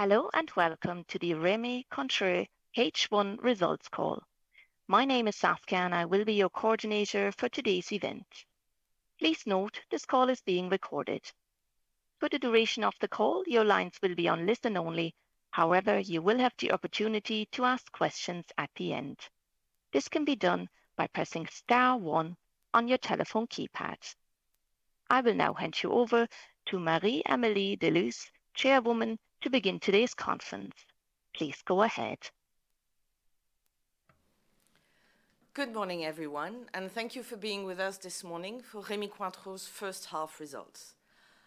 Hello, and welcome to the Rémy Cointreau H1 results call. My name is Saskia, and I will be your coordinator for today's event. Please note this call is being recorded. For the duration of the call, your lines will be on listen only; however, you will have the opportunity to ask questions at the end. This can be done by pressing * one on your telephone keypad. I will now hand you over to Marie-Amélie de Leusse, Chairwoman, to begin today's conference. Please go ahead. Good morning, everyone, and thank you for being with us this morning for Rémy Cointreau's first half results.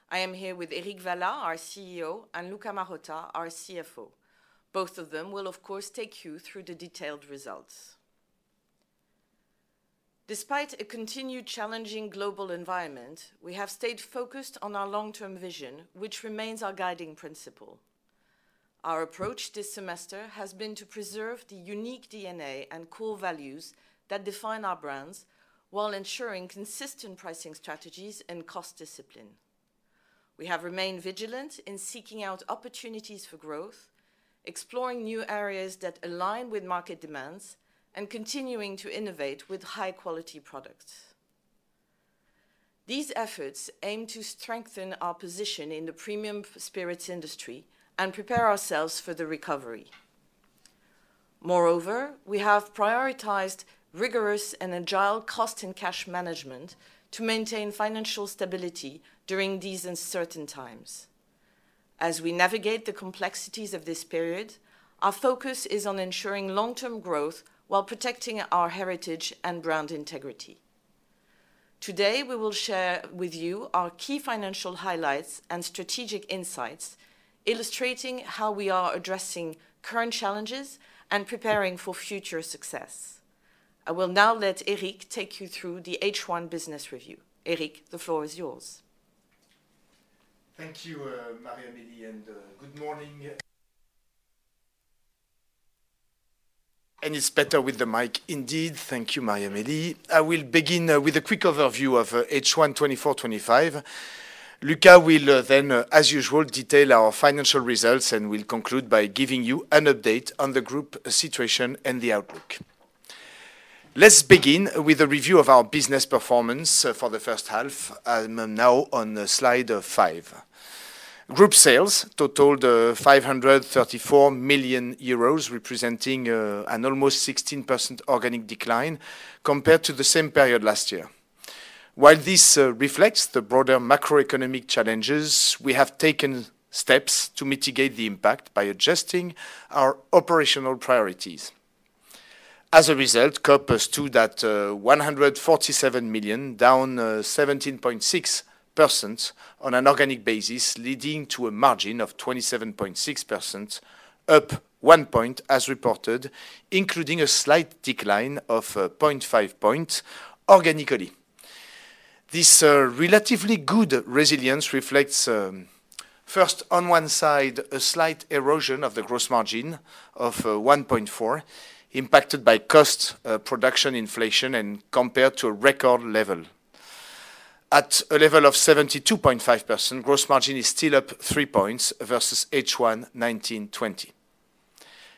I am here with Éric Vallat, our CEO, and Luca Marotta, our CFO. Both of them will, of course, take you through the detailed results. Despite a continued challenging global environment, we have stayed focused on our long-term vision, which remains our guiding principle. Our approach this semester has been to preserve the unique DNA and core values that define our brands while ensuring consistent pricing strategies and cost discipline. We have remained vigilant in seeking out opportunities for growth, exploring new areas that align with market demands, and continuing to innovate with high-quality products. These efforts aim to strengthen our position in the premium spirits industry and prepare ourselves for the recovery. Moreover, we have prioritized rigorous and agile cost and cash management to maintain financial stability during these uncertain times. As we navigate the complexities of this period, our focus is on ensuring long-term growth while protecting our heritage and brand integrity. Today, we will share with you our key financial highlights and strategic insights, illustrating how we are addressing current challenges and preparing for future success. I will now let Éric take you through the H1 Business Review. Éric, the floor is yours. Thank you, Marie-Amélie, and good morning. It's better with the mic. Indeed, thank you, Marie-Amélie. I will begin with a quick overview of H1 24-25. Luca will then, as usual, detail our financial results, and we'll conclude by giving you an update on the group situation and the outlook. Let's begin with a review of our business performance for the first half, now on slide five. Group sales totaled 534 million euros, representing an almost 16% organic decline compared to the same period last year. While this reflects the broader macroeconomic challenges, we have taken steps to mitigate the impact by adjusting our operational priorities. As a result, COP stood at 147 million, down 17.6% on an organic basis, leading to a margin of 27.6%, up one point as reported, including a slight decline of 0.5 points organically. This relatively good resilience reflects, first, on one side, a slight erosion of the gross margin of 1.4%, impacted by cost, production, inflation, and compared to a record level. At a level of 72.5%, gross margin is still up three points versus H1 2019-20.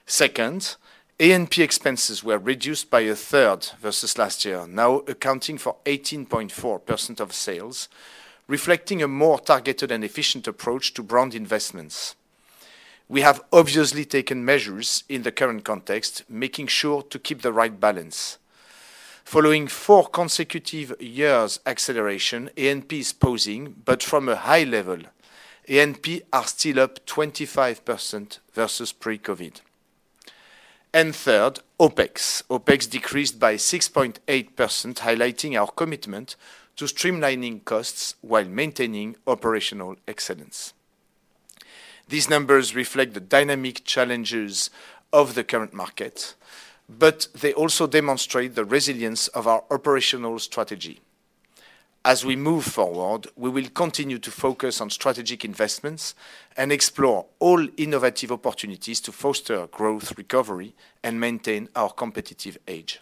Second, A&P expenses were reduced by a third versus last year, now accounting for 18.4% of sales, reflecting a more targeted and efficient approach to brand investments. We have obviously taken measures in the current context, making sure to keep the right balance. Following four consecutive years' acceleration, A&P is pausing, but from a high level, A&P are still up 25% versus pre-COVID. And third, OpEx. OpEx decreased by 6.8%, highlighting our commitment to streamlining costs while maintaining operational excellence. These numbers reflect the dynamic challenges of the current market, but they also demonstrate the resilience of our operational strategy. As we move forward, we will continue to focus on strategic investments and explore all innovative opportunities to foster growth recovery and maintain our competitive edge.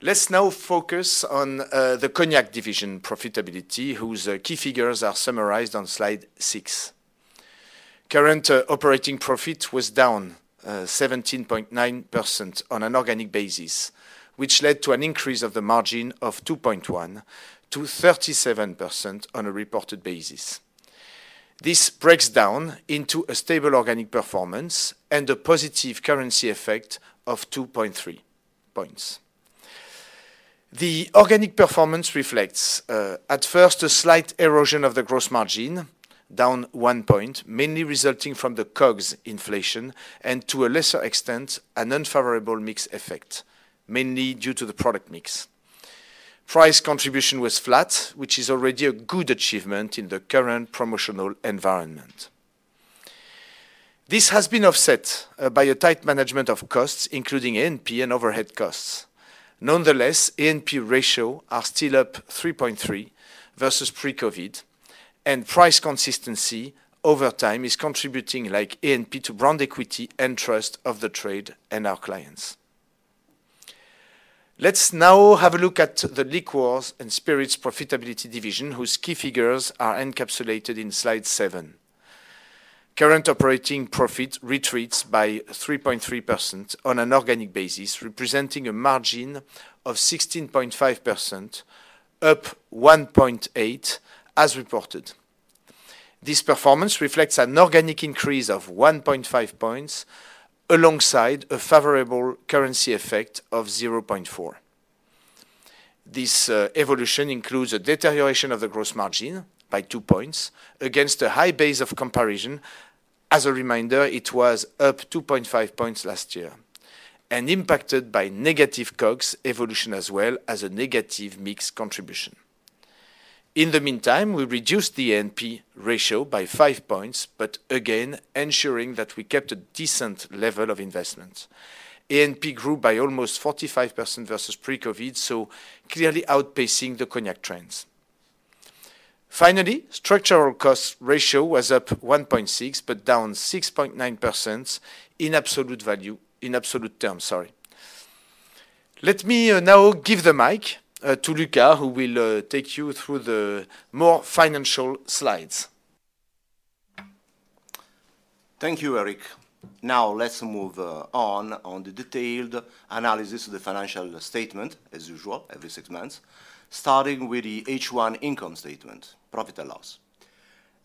Let's now focus on the Cognac division profitability, whose key figures are summarized on slide six. Current operating profit was down 17.9% on an organic basis, which led to an increase of the margin of 2.1% to 37% on a reported basis. This breaks down into a stable organic performance and a positive currency effect of 2.3 points. The organic performance reflects, at first, a slight erosion of the gross margin, down one point, mainly resulting from the COGS inflation and, to a lesser extent, an unfavorable mix effect, mainly due to the product mix. Price contribution was flat, which is already a good achievement in the current promotional environment. This has been offset by a tight management of costs, including A&P and overhead costs. Nonetheless, A&P ratio are still up 3.3% versus pre-COVID, and price consistency over time is contributing, like A&P, to brand equity and trust of the trade and our clients. Let's now have a look at the Liqueurs and Spirits profitability division, whose key figures are encapsulated in slide seven. Current operating profit retreats by 3.3% on an organic basis, representing a margin of 16.5%, up 1.8% as reported. This performance reflects an organic increase of 1.5 points alongside a favorable currency effect of 0.4%. This evolution includes a deterioration of the gross margin by two points against a high base of comparison. As a reminder, it was up 2.5 points last year and impacted by negative COGS evolution as well as a negative mix contribution. In the meantime, we reduced the A&P ratio by five points, but again, ensuring that we kept a decent level of investment. A&P grew by almost 45% versus pre-COVID, so clearly outpacing the Cognac trends. Finally, structural cost ratio was up 1.6% but down 6.9% in absolute value, in absolute terms, sorry. Let me now give the mic to Luca, who will take you through the more financial slides. Thank you, Éric. Now let's move on to the detailed analysis of the financial statement, as usual, every six months, starting with the H1 income statement, profit and loss.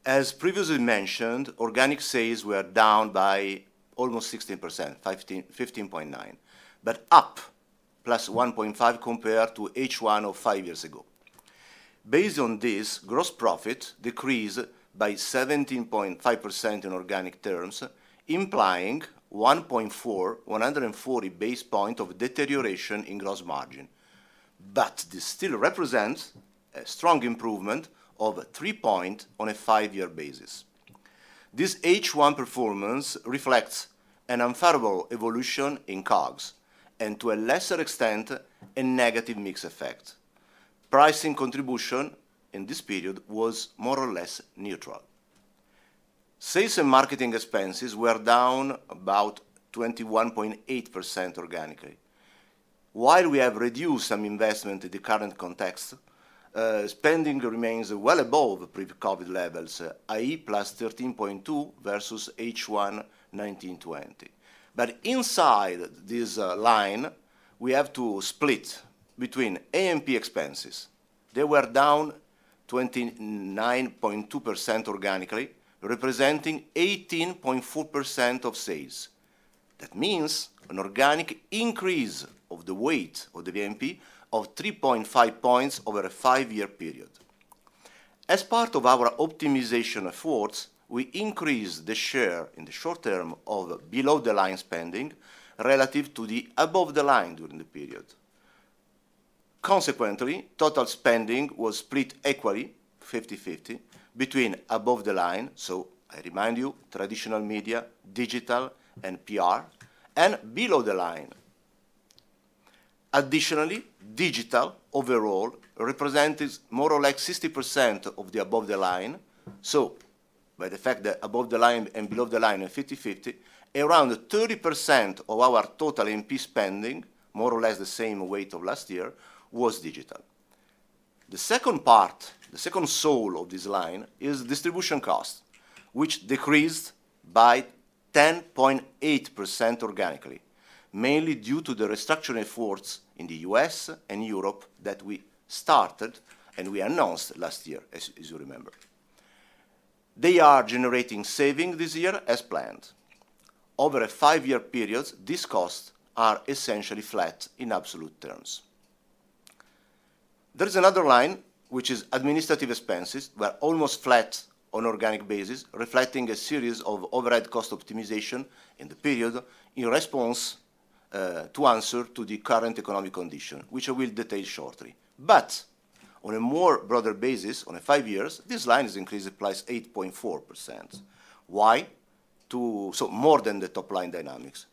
As previously mentioned, organic sales were down by almost 16%, 15.9%, but up plus 1.5% compared to H1 of five years ago. Based on this, gross profit decreased by 17.5% in organic terms, implying 1.4%, 140 basis points of deterioration in gross margin, but this still represents a strong improvement of three points on a five-year basis. This H1 performance reflects an unfavorable evolution in COGS and, to a lesser extent, a negative mix effect. Pricing contribution in this period was more or less neutral. Sales and marketing expenses were down about 21.8% organically. While we have reduced some investment in the current context, spending remains well above pre-COVID levels, i.e., +13.2% versus H1 2019-20. But inside this line, we have to split between A&P expenses. They were down 29.2% organically, representing 18.4% of sales. That means an organic increase of the weight of the A&P of 3.5 points over a five-year period. As part of our optimization efforts, we increased the share in the short term of below-the-line spending relative to the above-the-line during the period. Consequently, total spending was split equally, 50/50, between above-the-line, so I remind you, traditional media, digital, and PR, and below-the-line. Additionally, digital overall represents more or less 60% of the above-the-line. So, by the fact that above-the-line and below-the-line are 50/50, around 30% of our total A&P spending, more or less the same weight of last year, was digital. The second part, the second line of this line is distribution cost, which decreased by 10.8% organically, mainly due to the restructuring efforts in the U.S. and Europe that we started and we announced last year, as you remember. They are generating savings this year as planned. Over a five-year period, these costs are essentially flat in absolute terms. There is another line, which is administrative expenses, but almost flat on an organic basis, reflecting a series of overhead cost optimization in the period in response to answer to the current economic condition, which I will detail shortly. But on a more broader basis, on five years, this line has increased plus 8.4%. Why? So, more than the top-line dynamics.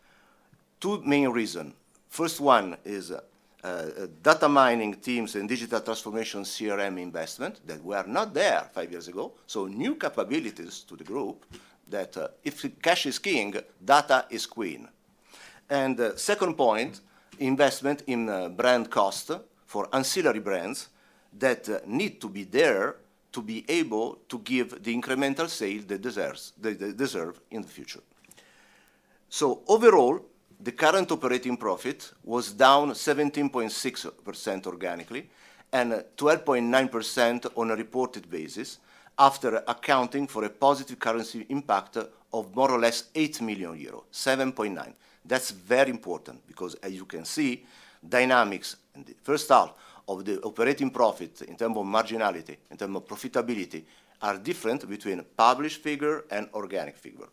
Two main reasons. First one is data mining teams and digital transformation CRM investment that were not there five years ago. So, new capabilities to the group that if cash is king, data is queen. And second point, investment in brand cost for ancillary brands that need to be there to be able to give the incremental sales they deserve in the future. So, overall, the current operating profit was down 17.6% organically and 12.9% on a reported basis after accounting for a positive currency impact of more or less 8 million euros, 7.9. That's very important because, as you can see, dynamics and the first half of the operating profit in terms of marginality, in terms of profitability, are different between published figure and organic figure.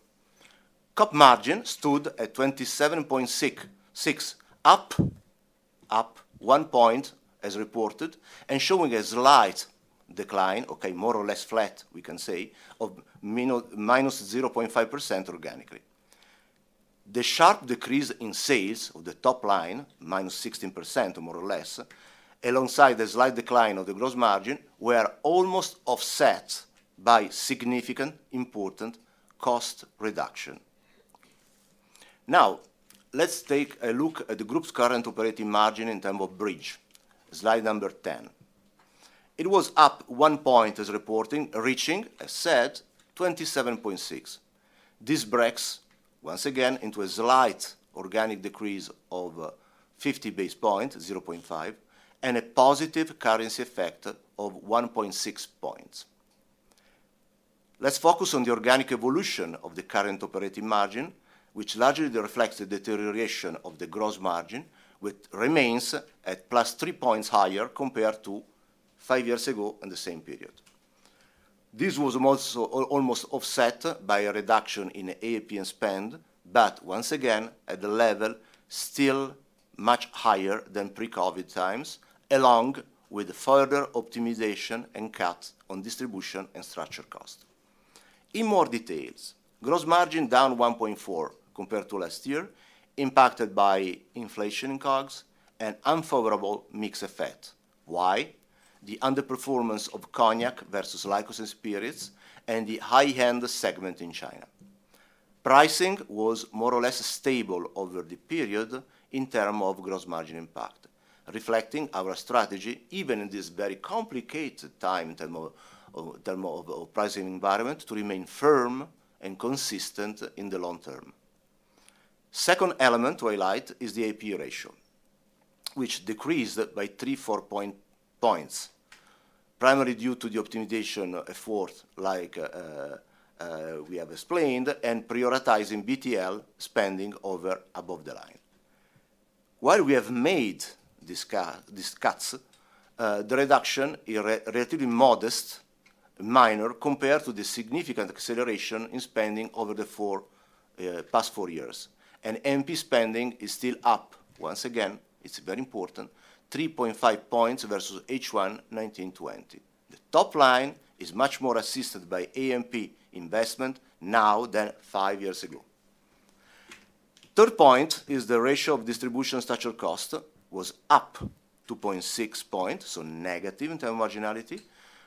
COP margin stood at 27.6%, up one point as reported and showing a slight decline, okay, more or less flat, we can say, of minus 0.5% organically. The sharp decrease in sales of the top line, minus 16% or more or less, alongside the slight decline of the gross margin, were almost offset by significant, important cost reduction. Now, let's take a look at the group's current operating margin in terms of bridge, slide number 10. It was up one point as reported, reaching, as said, 27.6%. This breaks, once again, into a slight organic decrease of 50 basis points, 0.5, and a positive currency effect of 1.6 points. Let's focus on the organic evolution of the current operating margin, which largely reflects the deterioration of the gross margin, which remains at plus 3 points higher compared to 5 years ago in the same period. This was almost offset by a reduction in A&P spend, but once again, at the level still much higher than pre-COVID times, along with further optimization and cuts on distribution and structure cost. In more detail, gross margin down 1.4% compared to last year, impacted by inflation in COGS and unfavorable mix effect. Why? The underperformance of Cognac versus Liqueurs and Spirits and the high-end segment in China. Pricing was more or less stable over the period in terms of gross margin impact, reflecting our strategy even in this very complicated time in terms of pricing environment to remain firm and consistent in the long term. Second element to highlight is the A&P ratio, which decreased by 3.4 points primarily due to the optimization effort like we have explained and prioritizing BTL spending over above the line. While we have made these cuts, the reduction is relatively modest, minor compared to the significant acceleration in spending over the past four years, and A&P spending is still up, once again, it's very important, 3.5 points versus H1 2019-2020. The top line is much more assisted by A&P investment now than five years ago. Third point is the ratio of distribution structure cost was up 2.6 points, so negative in terms of marginality,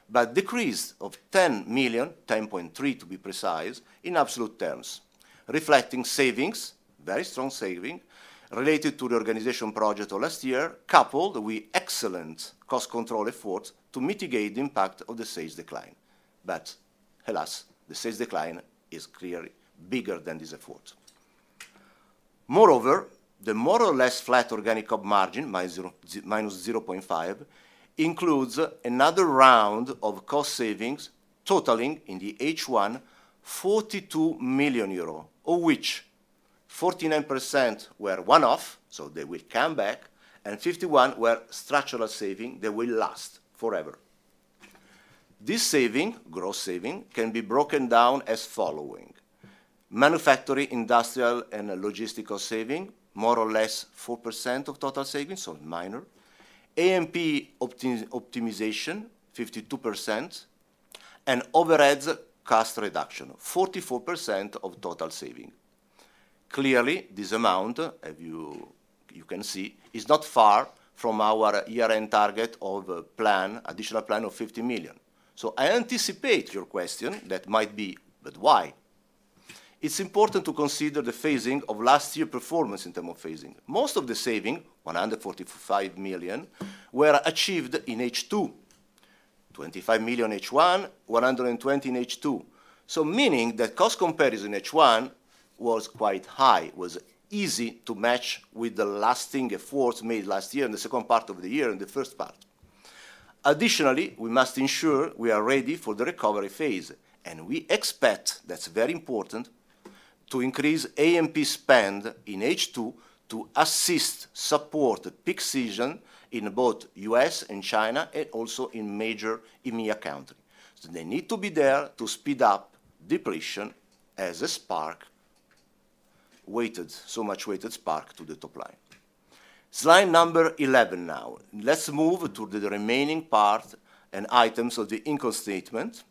but decreased of 10 million, 10.3 to be precise in absolute terms, reflecting savings, very strong saving related to the organization project of last year, coupled with excellent cost control efforts to mitigate the impact of the sales decline. But alas, the sales decline is clearly bigger than these efforts. Moreover, the more or less flat organic COP margin, minus 0.5, includes another round of cost savings totaling in the H1 42 million euro, of which 49% were one-off, so they will come back, and 51% were structural savings that will last forever. This saving, gross saving, can be broken down as following: manufacturing, industrial, and logistical saving, more or less 4% of total savings, so minor, A&P optimization, 52%, and overhead cost reduction, 44% of total saving. Clearly, this amount, as you can see, is not far from our year-end target of plan, additional plan of 50 million. So I anticipate your question that might be, but why? It's important to consider the phasing of last year's performance in terms of phasing. Most of the saving, 145 million, were achieved in H2, 25 million H1, 120 million in H2. So meaning that cost comparison in H1 was quite high, was easy to match with the lasting efforts made last year in the second part of the year and the first part. Additionally, we must ensure we are ready for the recovery phase, and we expect, that's very important, to increase A&P spend in H2 to assist support the peak season in both U.S. and China and also in major EMEA countries. They need to be there to speed up depletion as a spark, so much weighted spark to the top line. Slide number 11 now. Let's move to the remaining part and items of the income statement.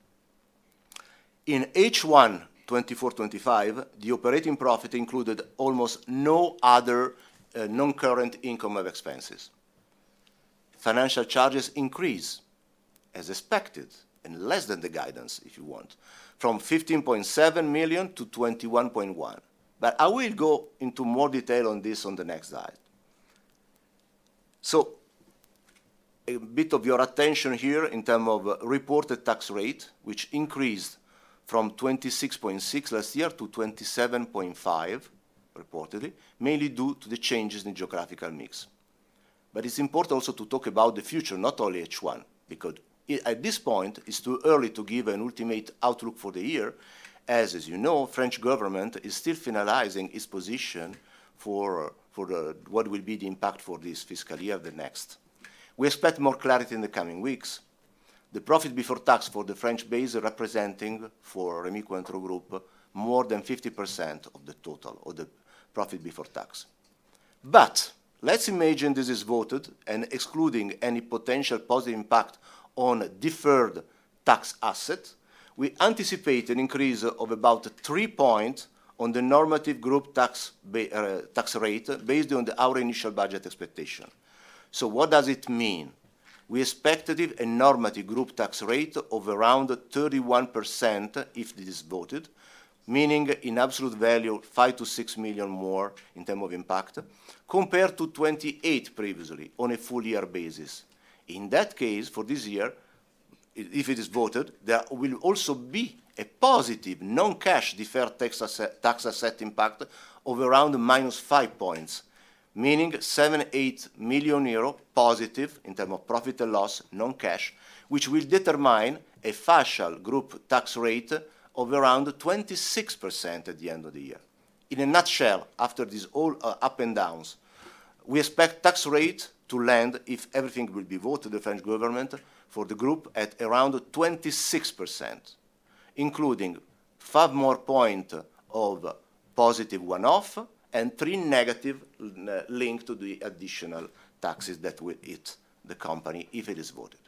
In H1 2024-25, the operating profit included almost no other non-current income or expenses. Financial charges increased, as expected, but less than the guidance, if you want, from 15.7 million to 21.1 million. But I will go into more detail on this on the next slide. So a bit of your attention here in terms of reported tax rate, which increased from 26.6% last year to 27.5%, reported, mainly due to the changes in geographical mix. But it's important also to talk about the future, not only H1, because at this point, it's too early to give an ultimate outlook for the year, as, as you know, the French government is still finalizing its position for what will be the impact for this fiscal year and the next. We expect more clarity in the coming weeks. The profit before tax for the French base is representing for Rémy Cointreau Group more than 50% of the total or the profit before tax. But let's imagine this is voted and excluding any potential positive impact on deferred tax assets. We anticipate an increase of about three points on the normative group tax rate based on our initial budget expectation. So what does it mean? We expected a normative group tax rate of around 31% if this is voted, meaning in absolute value, EUR 5million-6 million more in terms of impact compared to 28% previously on a full-year basis. In that case, for this year, if it is voted, there will also be a positive non-cash deferred tax asset impact of around minus five points, meaning EUR 7million-8 million euro positive in terms of profit and loss, non-cash, which will determine a partial group tax rate of around 26% at the end of the year. In a nutshell, after these all up and downs, we expect tax rate to land, if everything will be voted, the French government for the group at around 26%, including 5 more points of positive one-off and three negative linked to the additional taxes that will hit the company if it is voted.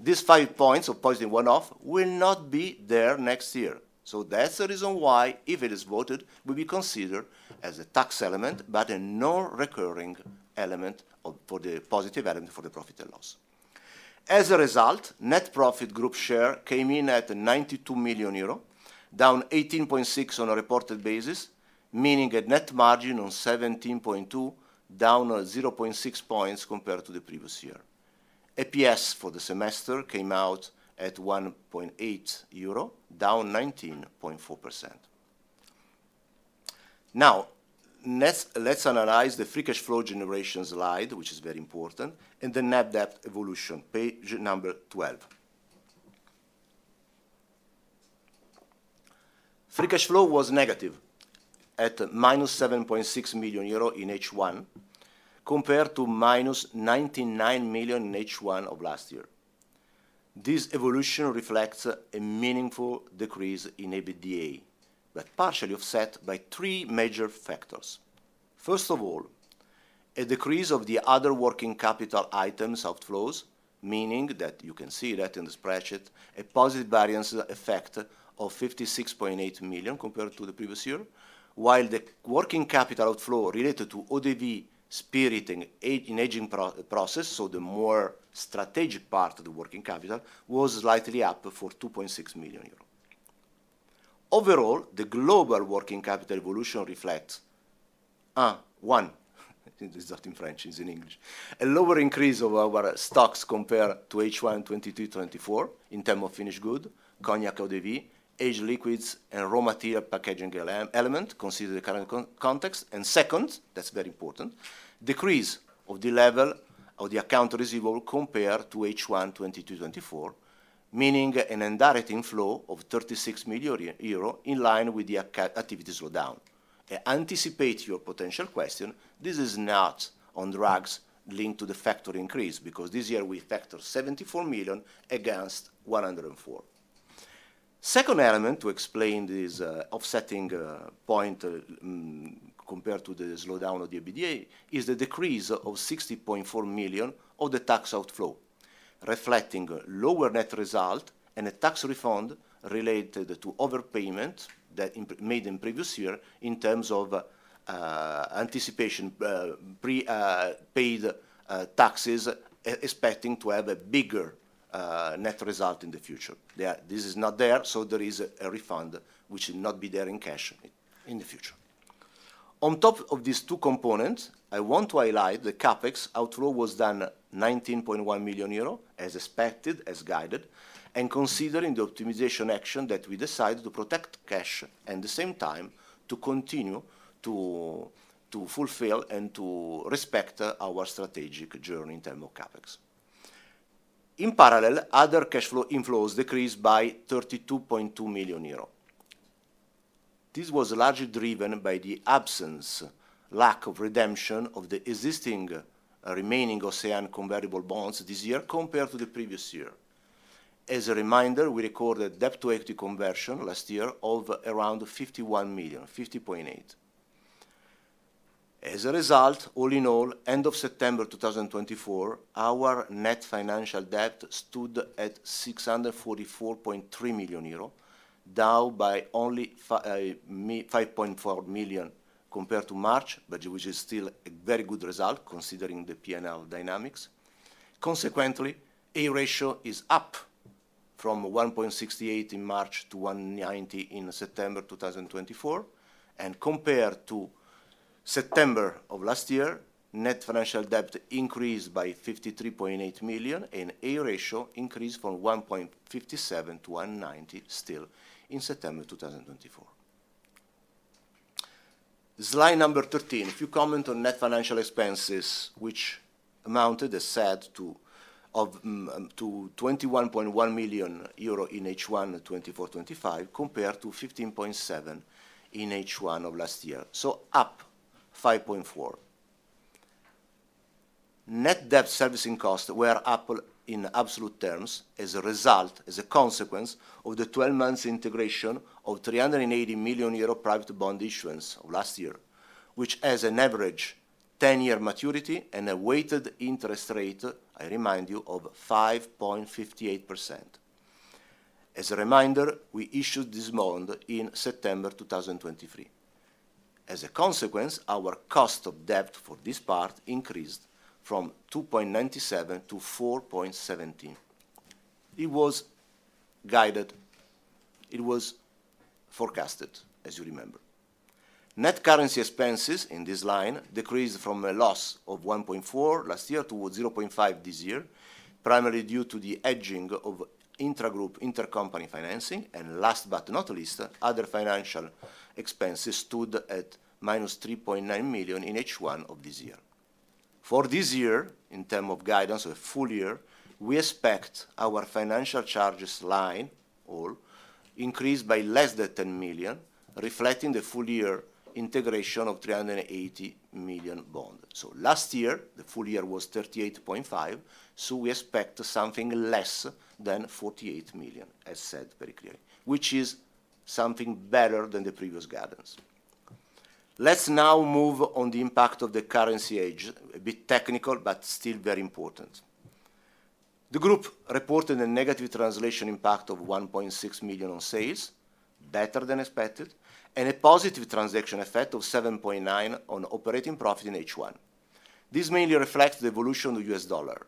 These 5 points of positive one-off will not be there next year. So that's the reason why if it is voted, it will be considered as a tax element, but a non-recurring element for the positive element for the profit and loss. As a result, net profit group share came in at 92 million euro, down 18.6% on a reported basis, meaning a net margin of 17.2%, down 0.6 points compared to the previous year. EPS for the semester came out at 1.8 euro, down 19.4%. Now, let's analyze the free cash flow generation slide, which is very important, and the net debt evolution, page number 12. Free cash flow was negative at -7.6 million euro in H1 compared to 99 million in H1 of last year. This evolution reflects a meaningful decrease in EBITDA, but partially offset by three major factors. First of all, a decrease of the other working capital items outflows, meaning that you can see that in the spreadsheet, a positive variance effect of 56.8 million compared to the previous year, while the working capital outflow related to eaux-de-vie, spirit, and aging process, so the more strategic part of the working capital was slightly up for 2.6 million euros. Overall, the global working capital evolution reflects one, it's not in French, it's in English, a lower increase of our stocks compared to H1 2022-2024 in terms of finished good, Cognac, eaux-de-vie, aged liquids, and raw material packaging element, consider the current context. Second, that's very important, decrease of the level of the account receivable compared to H1 2022-2024, meaning an indirect inflow of 36 million euro in line with the activity slowdown. I anticipate your potential question. This is not on track linked to the factor increase because this year we factor 74 million against 104 million. Second element to explain this offsetting point compared to the slowdown of the EBITDA is the decrease of 60.4 million of the tax outflow, reflecting lower net result and a tax refund related to overpayment that made in previous year in terms of anticipation prepaid taxes expecting to have a bigger net result in the future. This is not there, so there is a refund which will not be there in cash in the future. On top of these two components, I want to highlight the CapEx outflow was done 19.1 million euro as expected, as guided, and considering the optimization action that we decided to protect cash and at the same time to continue to fulfill and to respect our strategic journey in terms of CapEx. In parallel, other cash flow inflows decreased by 32.2 million euro. This was largely driven by the absence, lack of redemption of the existing remaining OCEANE convertible bonds this year compared to the previous year. As a reminder, we recorded debt to equity conversion last year of around 51 million, 50.8. As a result, all in all, end of September 2024, our net financial debt stood at 644.3 million euro, down by only 5.4 million compared to March, but which is still a very good result considering the P&L dynamics. Consequently, A ratio is up from 1.68 in March to 1.90 in September 2024, and compared to September of last year, net financial debt increased by 53.8 million and A ratio increased from 1.57 to 1.90 still in September 2024. Slide number 13, a few comments on net financial expenses, which amounted, as said, to 21.1 million euro in H1 24-25 compared to 15.7 in H1 of last year, so up 5.4. Net debt servicing costs were up in absolute terms as a result, as a consequence of the 12 months integration of 380 million euro private bond issuance of last year, which has an average 10-year maturity and a weighted interest rate, I remind you, of 5.58%. As a reminder, we issued this bond in September 2023. As a consequence, our cost of debt for this part increased from 2.97 to 4.17. It was guided, it was forecasted, as you remember. Net currency expenses in this line decreased from a loss of 1.4 million last year to 0.5 million this year, primarily due to the hedging of intra-group, intercompany financing, and last but not least, other financial expenses stood at minus 3.9 million in H1 of this year. For this year, in terms of guidance of a full year, we expect our financial charges line all increased by less than 10 million, reflecting the full year integration of 380 million bond. So last year, the full year was 38.5 million, so we expect something less than 48 million, as said very clearly, which is something better than the previous guidance. Let's now move on to the impact of the currency hedge, a bit technical, but still very important. The group reported a negative translation impact of 1.6 million on sales, better than expected, and a positive transaction effect of 7.9 million on operating profit in H1. This mainly reflects the evolution of the US dollar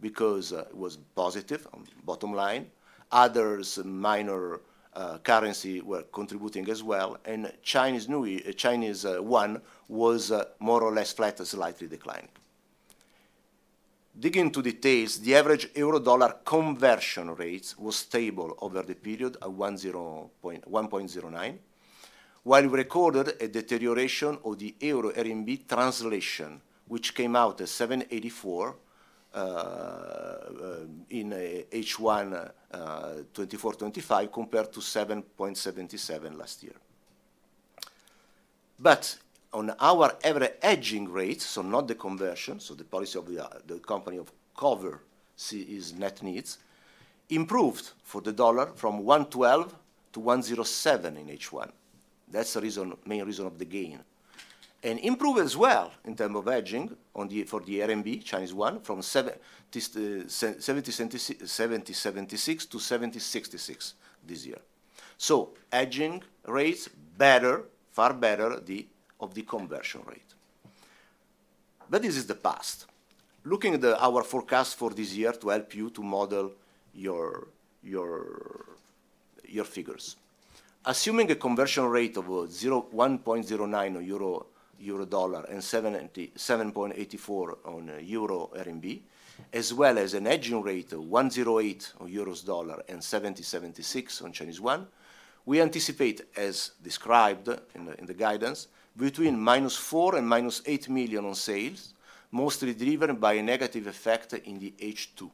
because it was positive on bottom line. Other minor currencies were contributing as well, and Chinese yuan was more or less flat, slightly declined. Digging into details, the average euro dollar conversion rate was stable over the period of 1.09, while we recorded a deterioration of the euro RMB translation, which came out as 7.84 in H1 2024-25 compared to 7.77 last year. On our average hedging rate, so not the conversion, so the policy of the company of covering its net needs, improved for the dollar from 112 to 107 in H1. That is the main reason of the gain. It improved as well in terms of hedging for the RMB, Chinese yuan, from 70.76 to 70.66 this year. Hedging rates better, far better than the conversion rate. This is the past. Looking at our forecast for this year to help you to model your figures. Assuming a conversion rate of 1.09 on euro dollar and 7.84 on euro RMB, as well as a hedging rate of 108 on euro dollar and 70.76 on Chinese yuan, we anticipate, as described in the guidance, between -4 million and -8 million on sales, mostly driven by a negative effect in the H2.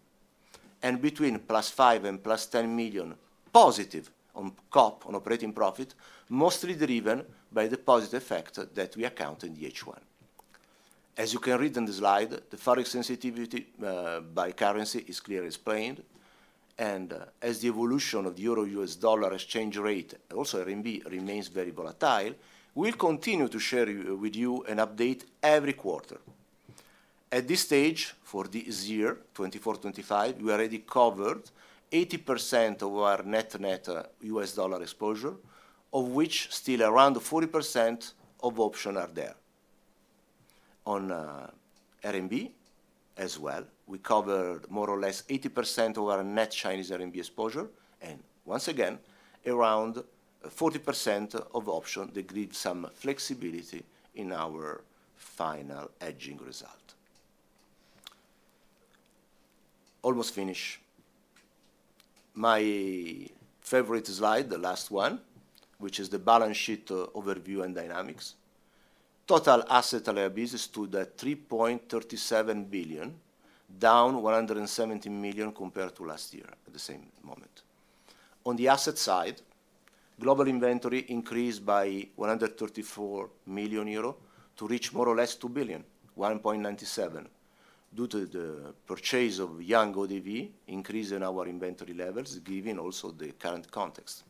And between +5 million and +10 million positive on COP on operating profit, mostly driven by the positive effect that we account in the H1. As you can read in the slide, the Forex sensitivity by currency is clearly explained. And as the evolution of the euro U.S. dollar exchange rate, also RMB, remains very volatile, we'll continue to share with you an update every quarter. At this stage for this year, 24-25, we already covered 80% of our net net US dollar exposure, of which still around 40% of options are there. On RMB as well, we covered more or less 80% of our net Chinese RMB exposure, and once again, around 40% of options that gives some flexibility in our final hedging result. Almost finished. My favorite slide, the last one, which is the balance sheet overview and dynamics. Total assets totaled 3.37 billion, down 117 millio compared to last year at the same moment. On the asset side, global inventory increased by 134 million euro to reach more or less 1.97 billion EUR, due to the purchase of young eaux-de-vie, increase in our inventory levels, given also the current context.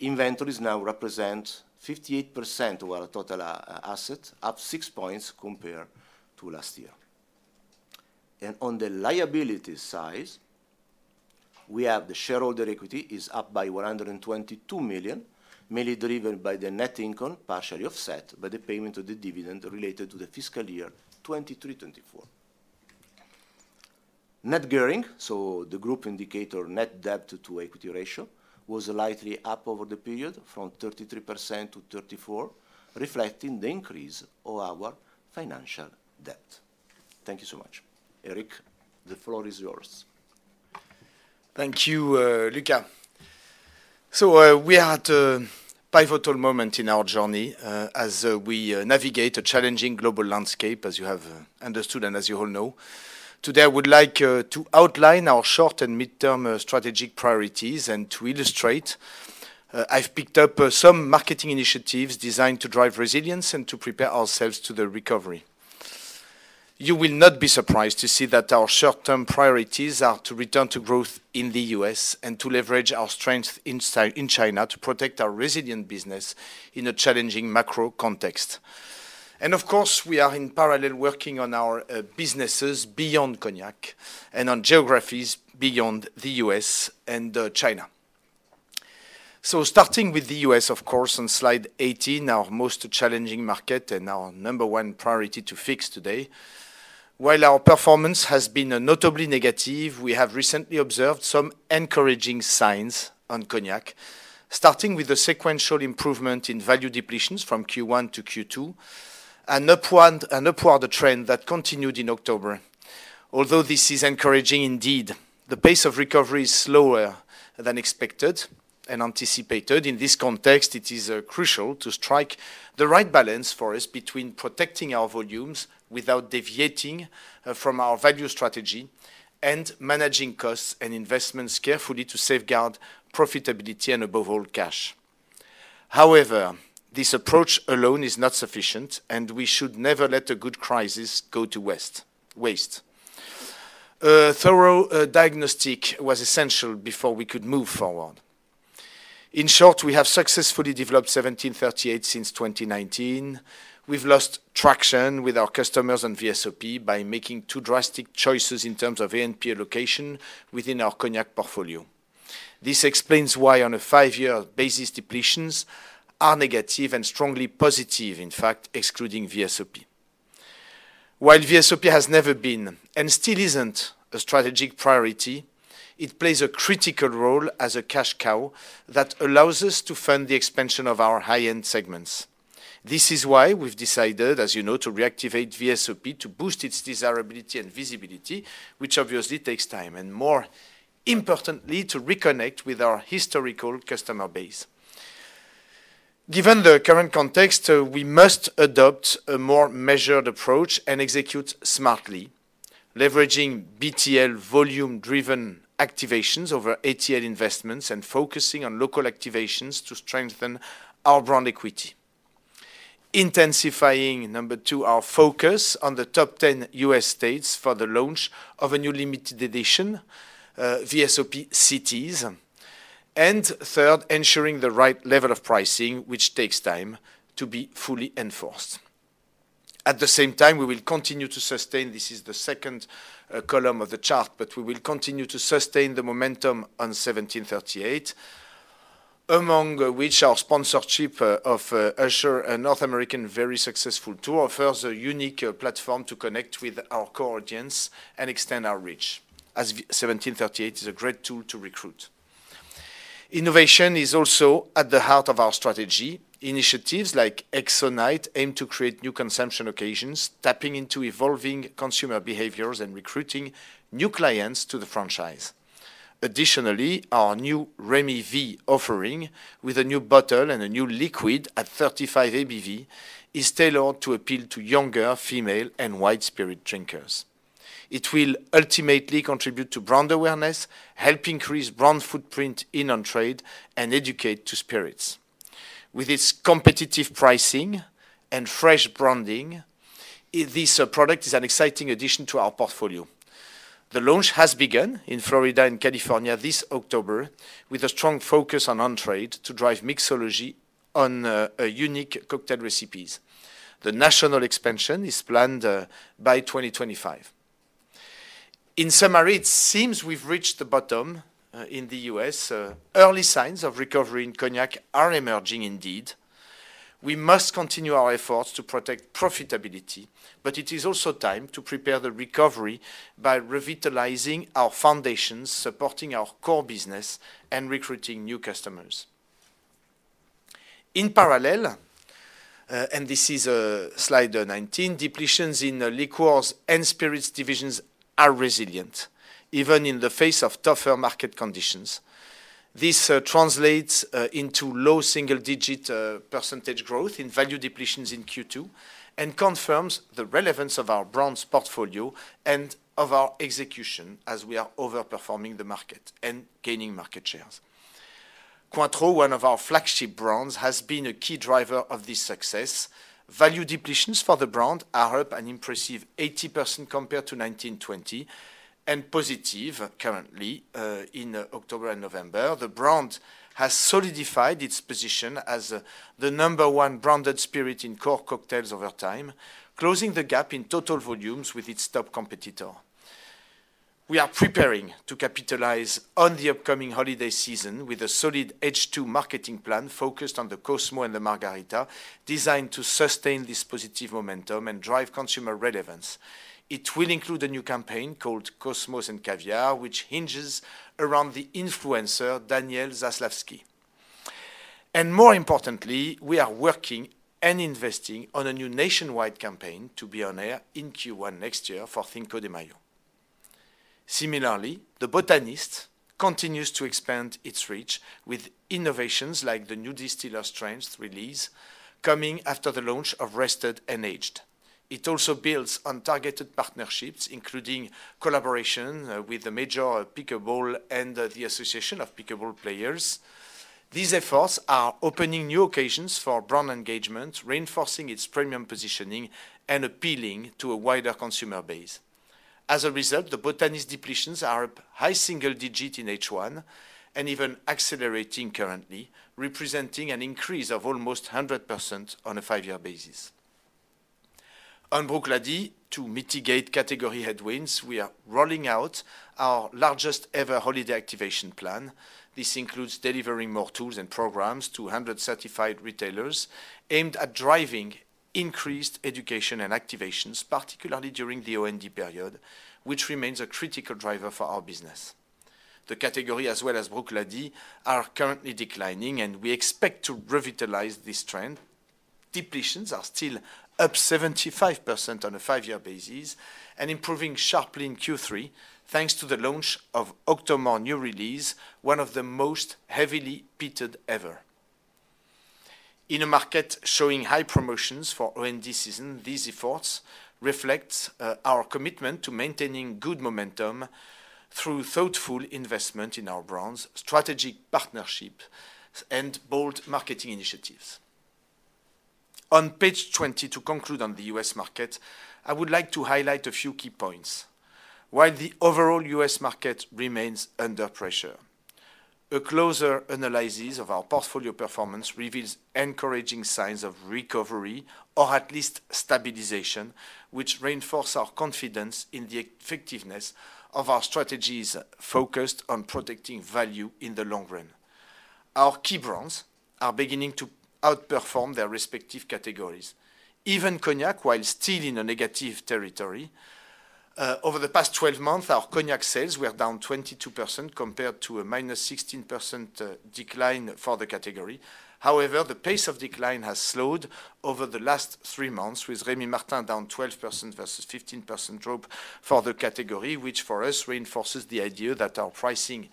Inventories now represent 58% of our total assets, up 6 points compared to last year. On the liability side, we have the shareholder equity is up by 122 million, mainly driven by the net income, partially offset by the payment of the dividend related to the fiscal year 2023-2024. Net gearing, so the group indicator net debt to equity ratio, was slightly up over the period from 33% to 34%, reflecting the increase of our financial debt. Thank you so much. Éric, the floor is yours. Thank you, Luca. So we are at a pivotal moment in our journey as we navigate a challenging global landscape, as you have understood and as you all know. Today, I would like to outline our short and midterm strategic priorities and to illustrate. I've picked up some marketing initiatives designed to drive resilience and to prepare ourselves to the recovery. You will not be surprised to see that our short-term priorities are to return to growth in the U.S. and to leverage our strength in China to protect our resilient business in a challenging macro context. And of course, we are in parallel working on our businesses beyond Cognac and on geographies beyond the U.S. and China. So starting with the U.S., of course, on slide 18, our most challenging market and our number one priority to fix today. While our performance has been notably negative, we have recently observed some encouraging signs on Cognac, starting with a sequential improvement in value depletions from Q1 to Q2, an upward trend that continued in October. Although this is encouraging indeed, the pace of recovery is slower than expected and anticipated. In this context, it is crucial to strike the right balance for us between protecting our volumes without deviating from our value strategy and managing costs and investments carefully to safeguard profitability and above all cash. However, this approach alone is not sufficient, and we should never let a good crisis go to waste. A thorough diagnostic was essential before we could move forward. In short, we have successfully developed 1738 since 2019. We've lost traction with our customers and VSOP by making two drastic choices in terms of A&P allocation within our Cognac portfolio. This explains why on a five-year basis, depletions are negative and strongly positive, in fact, excluding VSOP. While VSOP has never been and still isn't a strategic priority, it plays a critical role as a cash cow that allows us to fund the expansion of our high-end segments. This is why we've decided, as you know, to reactivate VSOP to boost its desirability and visibility, which obviously takes time, and more importantly, to reconnect with our historical customer base. Given the current context, we must adopt a more measured approach and execute smartly, leveraging BTL volume-driven activations over ATL investments and focusing on local activations to strengthen our brand equity. Intensifying, number two, our focus on the top 10 U.S. states for the launch of a new limited edition, VSOP Cities, and third, ensuring the right level of pricing, which takes time to be fully enforced. At the same time, we will continue to sustain. This is the second column of the chart, but we will continue to sustain the momentum on 1738, among which our sponsorship of Usher and North American Very Successful Tour offers a unique platform to connect with our core audience and extend our reach, as 1738 is a great tool to recruit. Innovation is also at the heart of our strategy. Initiatives like XO Night aim to create new consumption occasions, tapping into evolving consumer behaviors and recruiting new clients to the franchise. Additionally, our new Rémy V offering, with a new bottle and a new liquid at 35 ABV, is tailored to appeal to younger female and white spirit drinkers. It will ultimately contribute to brand awareness, help increase brand footprint in on trade, and educate to spirits. With its competitive pricing and fresh branding, this product is an exciting addition to our portfolio. The launch has begun in Florida and California this October with a strong focus on-trade to drive mixology on unique cocktail recipes. The national expansion is planned by 2025. In summary, it seems we've reached the bottom in the U.S. Early signs of recovery in Cognac are emerging indeed. We must continue our efforts to protect profitability, but it is also time to prepare the recovery by revitalizing our foundations, supporting our core business, and recruiting new customers. In parallel, and this is slide 19, depletions in Liqueurs and Spirits division are resilient, even in the face of tougher market conditions. This translates into low single-digit % growth in value depletions in Q2 and confirms the relevance of our brand's portfolio and of our execution as we are overperforming the market and gaining market shares. Cointreau, one of our flagship brands, has been a key driver of this success. Value depletions for the brand are up an impressive 80% compared to 2020 and positive currently in October and November. The brand has solidified its position as the number one branded spirit in core cocktails over time, closing the gap in total volumes with its top competitor. We are preparing to capitalize on the upcoming holiday season with a solid H2 marketing plan focused on the Cosmo and the Margarita, designed to sustain this positive momentum and drive consumer relevance. It will include a new campaign called Cosmos and Caviar, which hinges around the influencer Danielle Zaslavsky. And more importantly, we are working and investing on a new nationwide campaign to be on air in Q1 next year for Cinco de Mayo. Similarly, The Botanist continues to expand its reach with innovations like the new distiller's strength release coming after the launch of Rested and Aged. It also builds on targeted partnerships, including collaboration with the Major Pickleball and the Association of Pickleball Players. These efforts are opening new occasions for brand engagement, reinforcing its premium positioning and appealing to a wider consumer base. As a result, The Botanist's depletions are high single-digit in H1 and even accelerating currently, representing an increase of almost 100% on a five-year basis. On Bruichladdich, to mitigate category headwinds, we are rolling out our largest ever holiday activation plan. This includes delivering more tools and programs to 100 certified retailers aimed at driving increased education and activations, particularly during the OND period, which remains a critical driver for our business. The category, as well as Bruichladdich, are currently declining, and we expect to revitalize this trend. Depletions are still up 75% on a five-year basis and improving sharply in Q3 thanks to the launch of Octomore new release, one of the most heavily peated ever. In a market showing high promotions for OND season, these efforts reflect our commitment to maintaining good momentum through thoughtful investment in our brands, strategic partnerships, and bold marketing initiatives. On page 20, to conclude on the US market, I would like to highlight a few key points. While the overall U.S. market remains under pressure, a closer analysis of our portfolio performance reveals encouraging signs of recovery or at least stabilization, which reinforces our confidence in the effectiveness of our strategies focused on protecting value in the long run. Our key brands are beginning to outperform their respective categories, even Cognac, while still in a negative territory. Over the past 12 months, our Cognac sales were down 22% compared to a -16% decline for the category. However, the pace of decline has slowed over the last three months, with Rémy Martin down 12% versus 15% drop for the category, which for us reinforces the idea that our pricing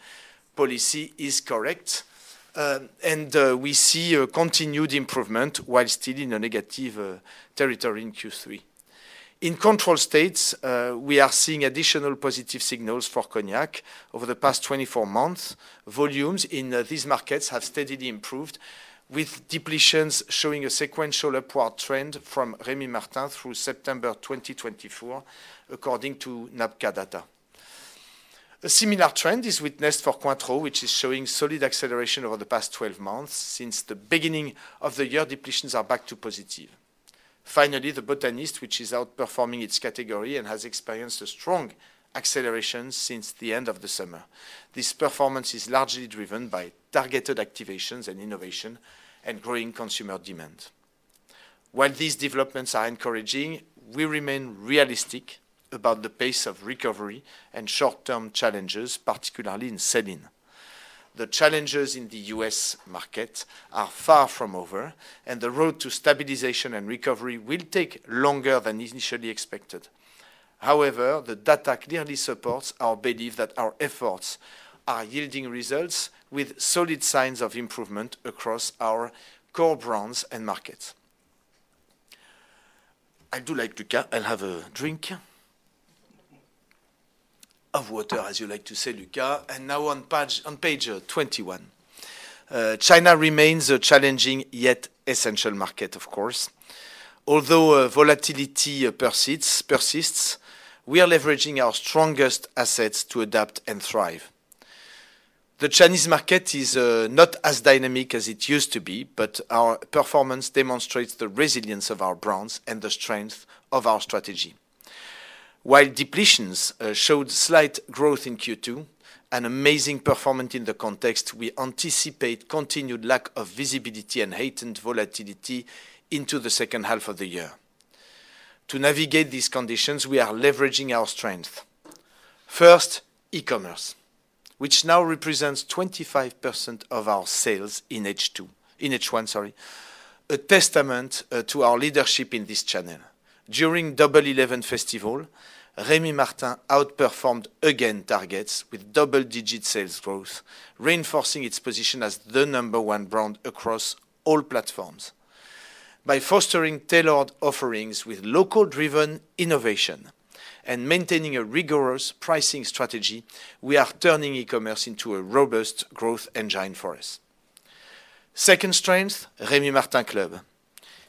policy is correct. And we see continued improvement while still in a negative territory in Q3. In control states, we are seeing additional positive signals for Cognac over the past 24 months. Volumes in these markets have steadily improved, with depletions showing a sequential upward trend from Rémy Martin through September 2024, according to NABCA data. A similar trend is witnessed for Cointreau, which is showing solid acceleration over the past 12 months. Since the beginning of the year, depletions are back to positive. Finally, The Botanist, which is outperforming its category and has experienced a strong acceleration since the end of the summer. This performance is largely driven by targeted activations and innovation and growing consumer demand. While these developments are encouraging, we remain realistic about the pace of recovery and short-term challenges, particularly in China. The challenges in the U.S. market are far from over, and the road to stabilization and recovery will take longer than initially expected. However, the data clearly supports our belief that our efforts are yielding results with solid signs of improvement across our core brands and markets. I do like, Luca, I'll have a drink of water, as you like to say, Luca. And now on page 21, China remains a challenging yet essential market, of course. Although volatility persists, we are leveraging our strongest assets to adapt and thrive. The Chinese market is not as dynamic as it used to be, but our performance demonstrates the resilience of our brands and the strength of our strategy. While depletions showed slight growth in Q2, an amazing performance in the context, we anticipate continued lack of visibility and heightened volatility into the second half of the year. To navigate these conditions, we are leveraging our strength. First, e-commerce, which now represents 25% of our sales in H2, in H1, sorry, a testament to our leadership in this channel. During Double 11 Festival, Rémy Martin outperformed again targets with double-digit sales growth, reinforcing its position as the number one brand across all platforms. By fostering tailored offerings with local-driven innovation and maintaining a rigorous pricing strategy, we are turning e-commerce into a robust growth engine for us. Second strength, Rémy Martin Club.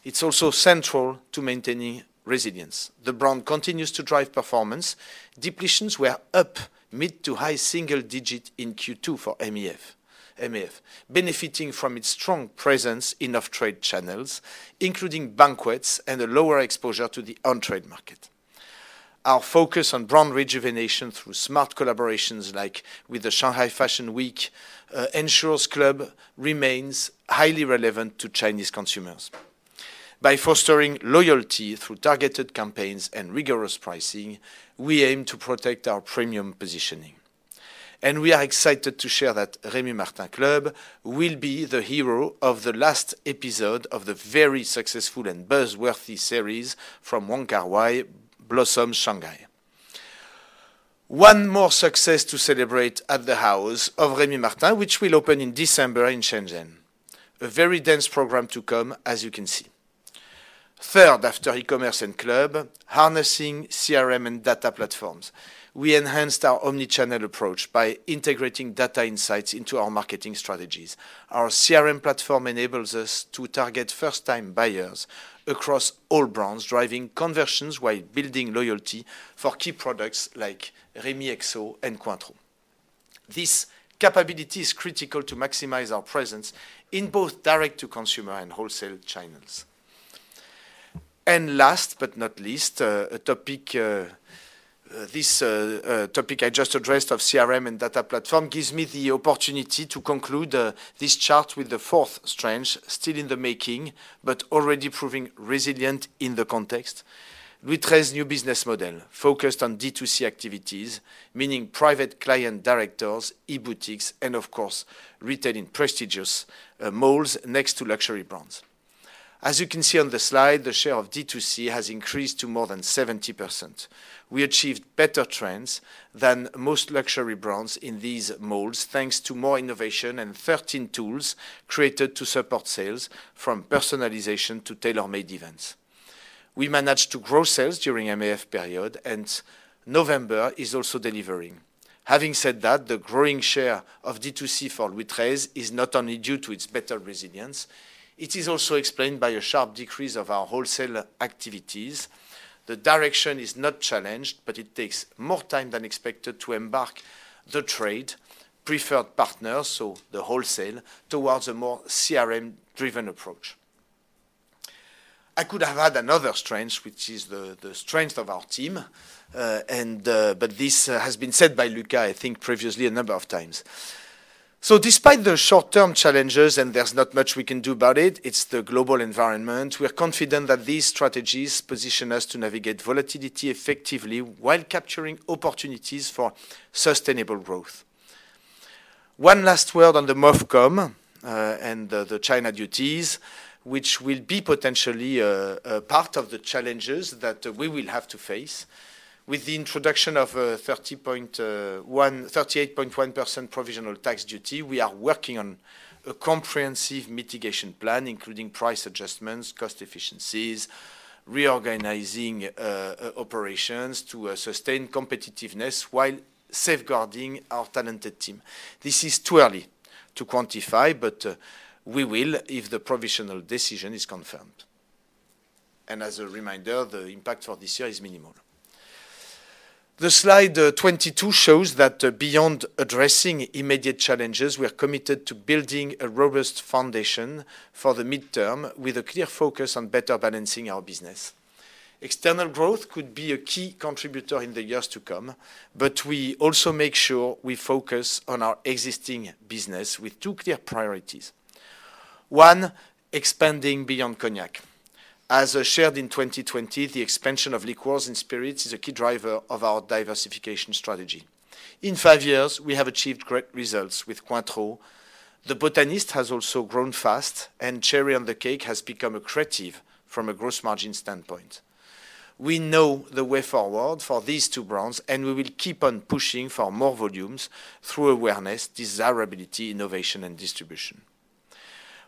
It's also central to maintaining resilience. The brand continues to drive performance. Depletions were up mid- to high-single-digit in Q2 for MEF, benefiting from its strong presence in off-trade channels, including banquets and a lower exposure to the on-trade market. Our focus on brand rejuvenation through smart collaborations like with the Shanghai Fashion Week ensures Club remains highly relevant to Chinese consumers. By fostering loyalty through targeted campaigns and rigorous pricing, we aim to protect our premium positioning. And we are excited to share that Rémy Martin Club will be the hero of the last episode of the very successful and buzz-worthy series from Wong Kar-wai, Blossoms Shanghai. One more success to celebrate at the house of Rémy Martin, which will open in December in Shenzhen. A very dense program to come, as you can see. Third, after e-commerce and Club, harnessing CRM and data platforms, we enhanced our omnichannel approach by integrating data insights into our marketing strategies. Our CRM platform enables us to target first-time buyers across all brands, driving conversions while building loyalty for key products like Rémy XO and Cointreau. This capability is critical to maximize our presence in both direct-to-consumer and wholesale channels. Last but not least, a topic, this topic I just addressed of CRM and data platform gives me the opportunity to conclude this chart with the fourth strength, still in the making, but already proving resilient in the context. We have a new business model focused on D2C activities, meaning private client directors, e-boutiques, and of course, retail in prestigious malls next to luxury brands. As you can see on the slide, the share of D2C has increased to more than 70%. We achieved better trends than most luxury brands in these malls thanks to more innovation and 13 tools created to support sales, from personalization to tailor-made events. We managed to grow sales during MEF period, and November is also delivering. Having said that, the growing share of D2C for Louis XIII is not only due to its better resilience. It is also explained by a sharp decrease of our wholesale activities. The direction is not challenged, but it takes more time than expected to embark the trade preferred partners, so the wholesale, towards a more CRM-driven approach. I could have had another strength, which is the strength of our team, but this has been said by Luca, I think, previously a number of times. So despite the short-term challenges, and there's not much we can do about it, it's the global environment. We're confident that these strategies position us to navigate volatility effectively while capturing opportunities for sustainable growth. One last word on the MOFCOM and the China duties, which will be potentially part of the challenges that we will have to face. With the introduction of a 38.1% provisional tax duty, we are working on a comprehensive mitigation plan, including price adjustments, cost efficiencies, reorganizing operations to sustain competitiveness while safeguarding our talented team. This is too early to quantify, but we will if the provisional decision is confirmed. As a reminder, the impact for this year is minimal. Slide 22 shows that beyond addressing immediate challenges, we're committed to building a robust foundation for the midterm with a clear focus on better balancing our business. External growth could be a key contributor in the years to come, but we also make sure we focus on our existing business with two clear priorities. One, expanding beyond Cognac. As shared in 2020, the expansion of Liqueurs and Spirits is a key driver of our diversification strategy. In five years, we have achieved great results with Cointreau. The Botanist has also grown fast, and the cherry on the cake has become accretive from a gross margin standpoint. We know the way forward for these two brands, and we will keep on pushing for more volumes through awareness, desirability, innovation, and distribution.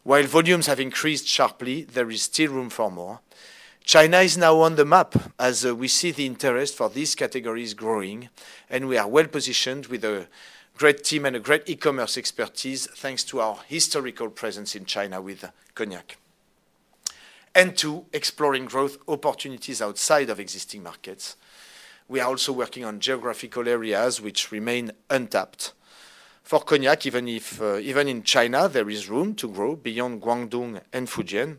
While volumes have increased sharply, there is still room for more. China is now on the map as we see the interest for these categories growing, and we are well positioned with a great team and a great e-commerce expertise thanks to our historical presence in China with Cognac. And two, exploring growth opportunities outside of existing markets. We are also working on geographical areas which remain untapped. For Cognac, even in China, there is room to grow beyond Guangdong and Fujian.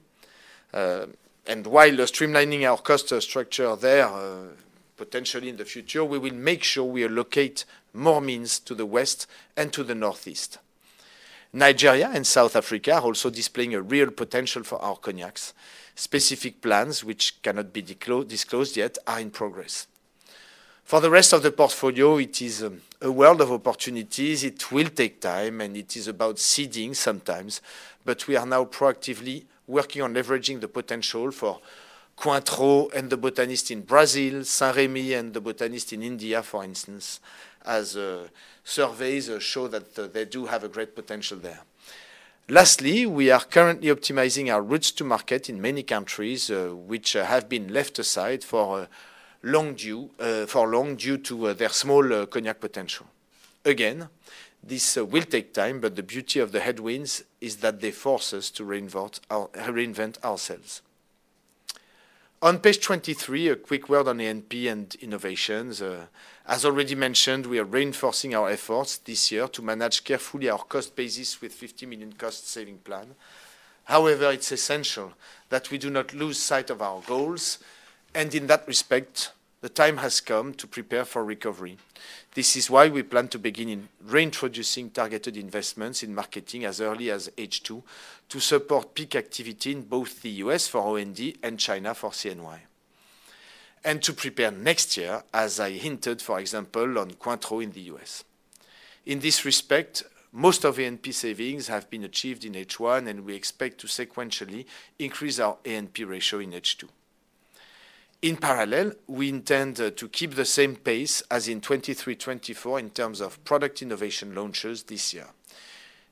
And while streamlining our cost structure there, potentially in the future, we will make sure we allocate more means to the west and to the northeast. Nigeria and South Africa are also displaying a real potential for our Cognacs. Specific plans, which cannot be disclosed yet, are in progress. For the rest of the portfolio, it is a world of opportunities. It will take time, and it is about seeding sometimes, but we are now proactively working on leveraging the potential for Cointreau and The Botanist in Brazil, Saint-Rémy and The Botanist in India, for instance, as surveys show that they do have a great potential there. Lastly, we are currently optimizing our routes to market in many countries which have been left aside for long due to their small Cognac potential. Again, this will take time, but the beauty of the headwinds is that they force us to reinvent ourselves. On page 23, a quick word on A&P and innovations. As already mentioned, we are reinforcing our efforts this year to manage carefully our cost basis with a 50 million cost saving plan. However, it's essential that we do not lose sight of our goals, and in that respect, the time has come to prepare for recovery. This is why we plan to begin in reintroducing targeted investments in marketing as early as H2 to support peak activity in both the U.S. for OND and China for CNY, and to prepare next year, as I hinted, for example, on Cointreau in the U.S. In this respect, most of A&P savings have been achieved in H1, and we expect to sequentially increase our A&P ratio in H2. In parallel, we intend to keep the same pace as in 2023-2024 in terms of product innovation launches this year.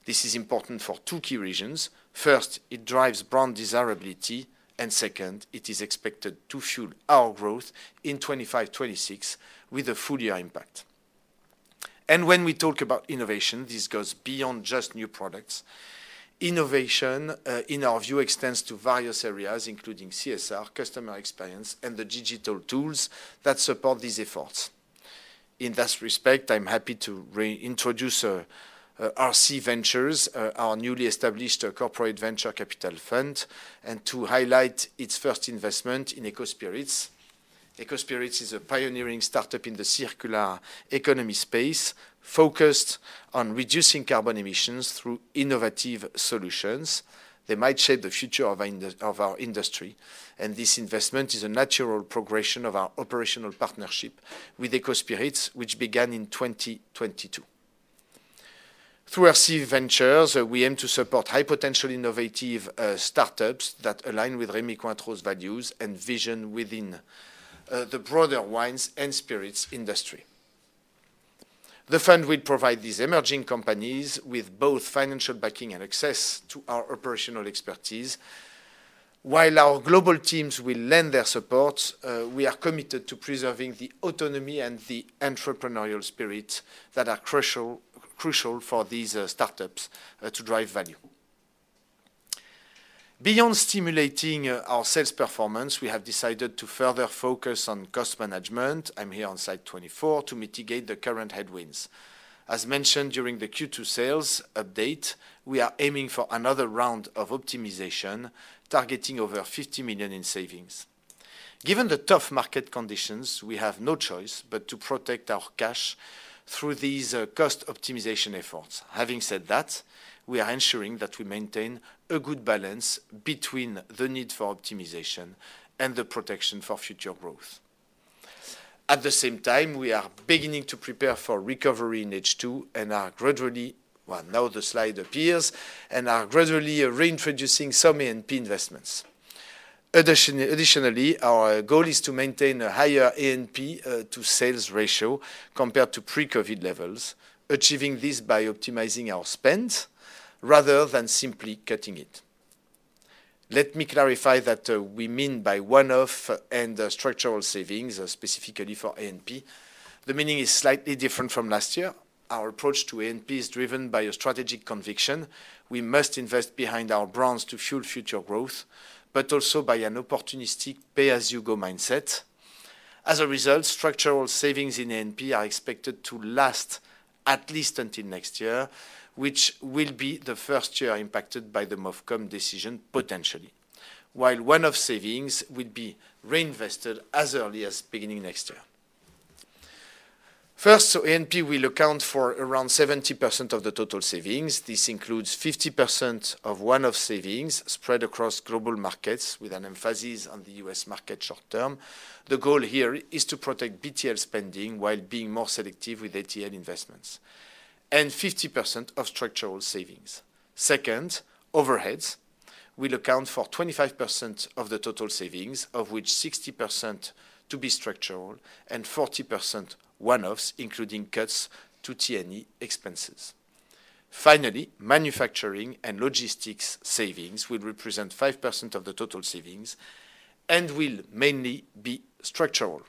This is important for two key reasons. First, it drives brand desirability, and second, it is expected to fuel our growth in 2025-2026 with a full year impact. When we talk about innovation, this goes beyond just new products. Innovation, in our view, extends to various areas, including CSR, customer experience, and the digital tools that support these efforts. In that respect, I'm happy to reintroduce RC Ventures, our newly established corporate venture capital fund, and to highlight its first investment in EcoSpirits. EcoSpirits is a pioneering startup in the circular economy space focused on reducing carbon emissions through innovative solutions. They might shape the future of our industry, and this investment is a natural progression of our operational partnership with EcoSpirits, which began in 2022. Through RC Ventures, we aim to support high-potential innovative startups that align with Rémy Cointreau's values and vision within the broader wines and spirits industry. The fund will provide these emerging companies with both financial backing and access to our operational expertise. While our global teams will lend their support, we are committed to preserving the autonomy and the entrepreneurial spirit that are crucial for these startups to drive value. Beyond stimulating our sales performance, we have decided to further focus on cost management. I'm here on slide 24 to mitigate the current headwinds. As mentioned during the Q2 sales update, we are aiming for another round of optimization targeting over 50 million in savings. Given the tough market conditions, we have no choice but to protect our cash through these cost optimization efforts. Having said that, we are ensuring that we maintain a good balance between the need for optimization and the protection for future growth. At the same time, we are beginning to prepare for recovery in H2 and are gradually, well, now the slide appears, and are gradually reintroducing some A&P investments. Additionally, our goal is to maintain a higher A&P to sales ratio compared to pre-COVID levels, achieving this by optimizing our spend rather than simply cutting it. Let me clarify that we mean by one-off and structural savings, specifically for A&P. The meaning is slightly different from last year. Our approach to A&P is driven by a strategic conviction we must invest behind our brands to fuel future growth, but also by an opportunistic pay-as-you-go mindset. As a result, structural savings in A&P are expected to last at least until next year, which will be the first year impacted by the MOFCOM decision potentially, while one-off savings will be reinvested as early as beginning next year. First, A&P will account for around 70% of the total savings. This includes 50% of one-off savings spread across global markets with an emphasis on the U.S. market short term. The goal here is to protect BTL spending while being more selective with ATL investments and 50% of structural savings. Second, overheads. We'll account for 25% of the total savings, of which 60% to be structural and 40% one-offs, including cuts to T&E expenses. Finally, manufacturing and logistics savings will represent 5% of the total savings and will mainly be structural.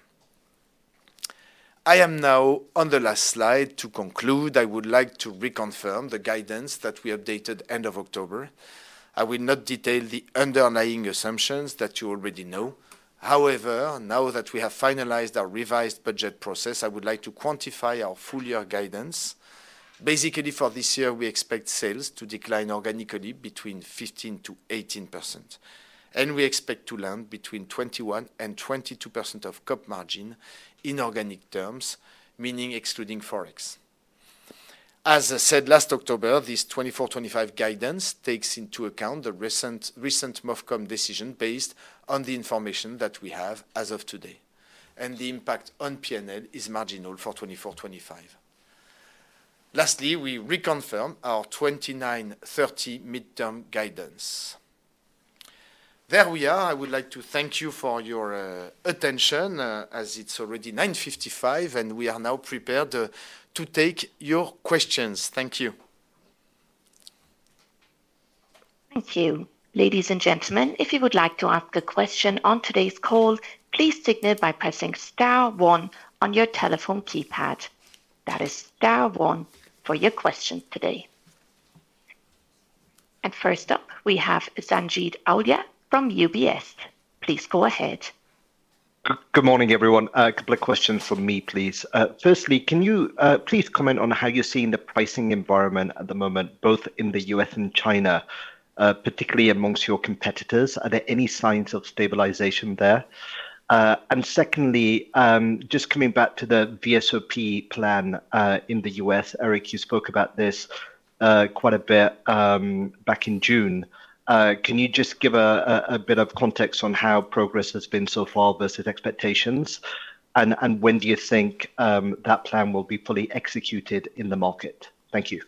I am now on the last slide to conclude. I would like to reconfirm the guidance that we updated end of October. I will not detail the underlying assumptions that you already know. However, now that we have finalized our revised budget process, I would like to quantify our full year guidance. Basically, for this year, we expect sales to decline organically between 15%-18%, and we expect to land between 21% and 22% of COP margin in organic terms, meaning excluding Forex. As I said last October, this 24-25 guidance takes into account the recent MOFCOM decision based on the information that we have as of today, and the impact on P&L is marginal for 24-25. Lastly, we reconfirm our 29-30 midterm guidance. There we are. I would like to thank you for your attention as it's already 9:55 AM, and we are now prepared to take your questions. Thank you. Thank you, ladies and gentlemen. If you would like to ask a question on today's call, please signal by pressing star one on your telephone keypad. That is star one for your question today. And first up, we have Sanjeet Aujla from UBS. Please go ahead. Good morning, everyone. A couple of questions for me, please. Firstly, can you please comment on how you're seeing the pricing environment at the moment, both in the U.S. and China, particularly amongst your competitors? Are there any signs of stabilization there? And secondly, just coming back to the VSOP plan in the U.S., Éric, you spoke about this quite a bit back in June. Can you just give a bit of context on how progress has been so far versus expectations, and when do you think that plan will be fully executed in the market? Thank you.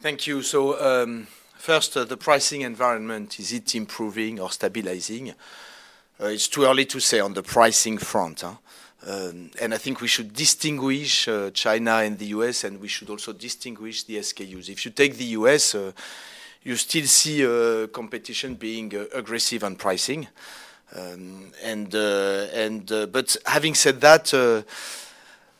Thank you. So first, the pricing environment, is it improving or stabilizing? It's too early to say on the pricing front, and I think we should distinguish China and the U.S., and we should also distinguish the SKUs. If you take the U.S., you still see competition being aggressive on pricing. But having said that,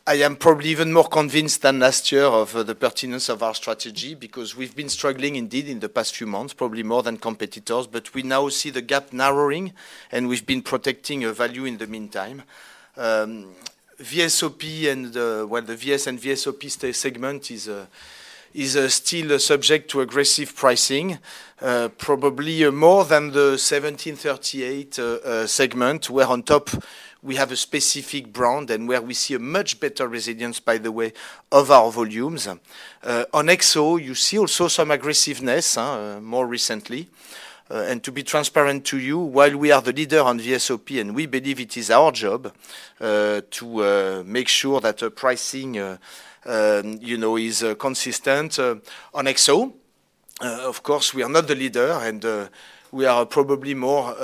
I am probably even more convinced than last year of the pertinence of our strategy because we've been struggling indeed in the past few months, probably more than competitors, but we now see the gap narrowing, and we've been protecting a value in the meantime. VSOP and, well, the VS and VSOP segment is still subject to aggressive pricing, probably more than the 1738 segment where on top we have a specific brand and where we see a much better resilience, by the way, of our volumes. On XO, you see also some aggressiveness more recently. To be transparent to you, while we are the leader on VSOP and we believe it is our job to make sure that pricing is consistent on XO, of course, we are not the leader and we are probably more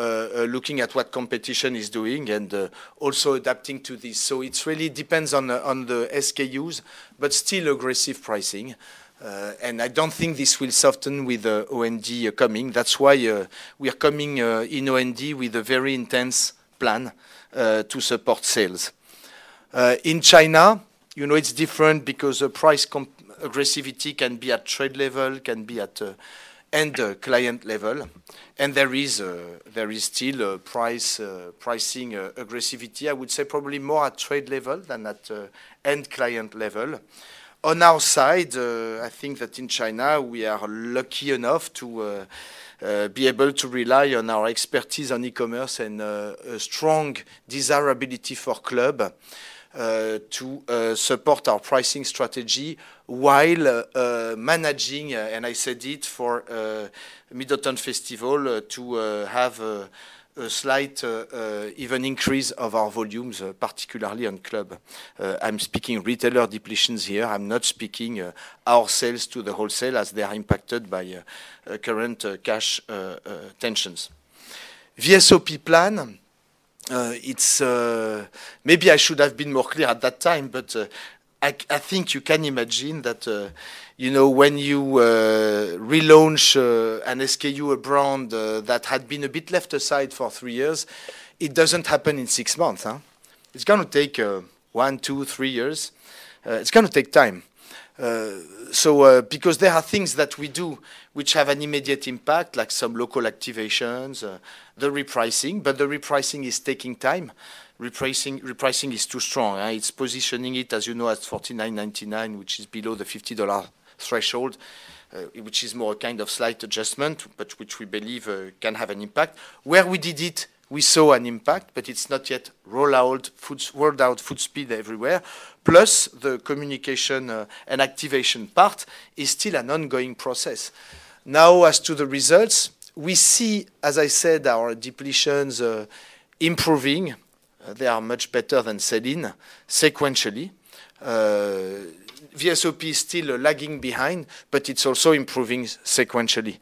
looking at what competition is doing and also adapting to this, so it really depends on the SKUs, but still aggressive pricing, and I don't think this will soften with OND coming. That's why we are coming in OND with a very intense plan to support sales. In China, it's different because price aggressivity can be at trade level, can be at end client level, and there is still pricing aggressivity, I would say probably more at trade level than at end client level. On our side, I think that in China, we are lucky enough to be able to rely on our expertise on e-commerce and a strong desirability for Club to support our pricing strategy while managing, and I said it for Mid-Autumn Festival, to have a slight even increase of our volumes, particularly on Club. I'm speaking retailer depletions here. I'm not speaking our sales to the wholesale as they are impacted by current cash tensions. VSOP plan, maybe I should have been more clear at that time, but I think you can imagine that when you relaunch an SKU, a brand that had been a bit left aside for three years, it doesn't happen in six months. It's going to take one, two, three years. It's going to take time. So because there are things that we do which have an immediate impact, like some local activations, the repricing, but the repricing is taking time. Repricing is too strong. It's positioning it, as you know, at $49.99, which is below the $50 threshold, which is more a kind of slight adjustment, but which we believe can have an impact. Where we did it, we saw an impact, but it's not yet rolled out full speed everywhere. Plus, the communication and activation part is still an ongoing process. Now, as to the results, we see, as I said, our depletions improving. They are much better than sell-in sequentially. VSOP is still lagging behind, but it's also improving sequentially.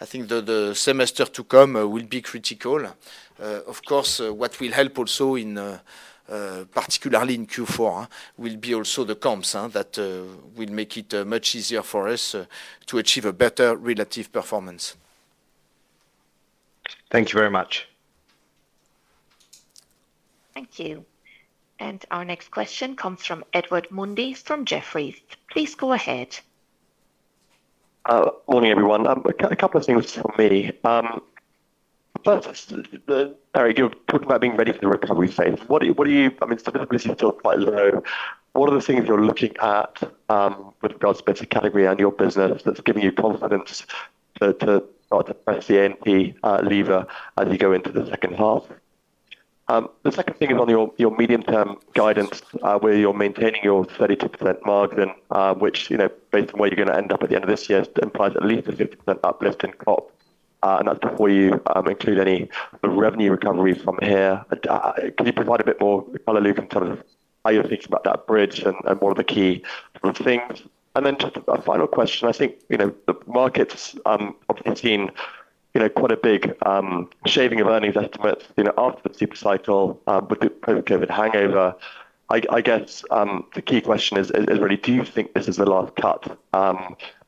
I think the semester to come will be critical. Of course, what will help also, particularly in Q4, will be also the comps that will make it much easier for us to achieve a better relative performance. Thank you very much. Thank you. And our next question comes from Edward Mundy from Jefferies. Please go ahead. Morning, everyone. A couple of things for me. First, Éric, you're talking about being ready for the recovery phase. What are you, I mean, stability is still quite low. What are the things you're looking at with regards to better category and your business that's giving you confidence to start to press the NP lever as you go into the second half? The second thing is on your medium-term guidance where you're maintaining your 32% margin, which, based on where you're going to end up at the end of this year, implies at least a 50% uplift in COP. And that's before you include any revenue recovery from here. Can you provide a bit more color on in terms of how you're thinking about that bridge and what are the key things? And then just a final question. I think the markets have seen quite a big shaving of earnings estimates after the super cycle with the post-COVID hangover. I guess the key question is really, do you think this is the last cut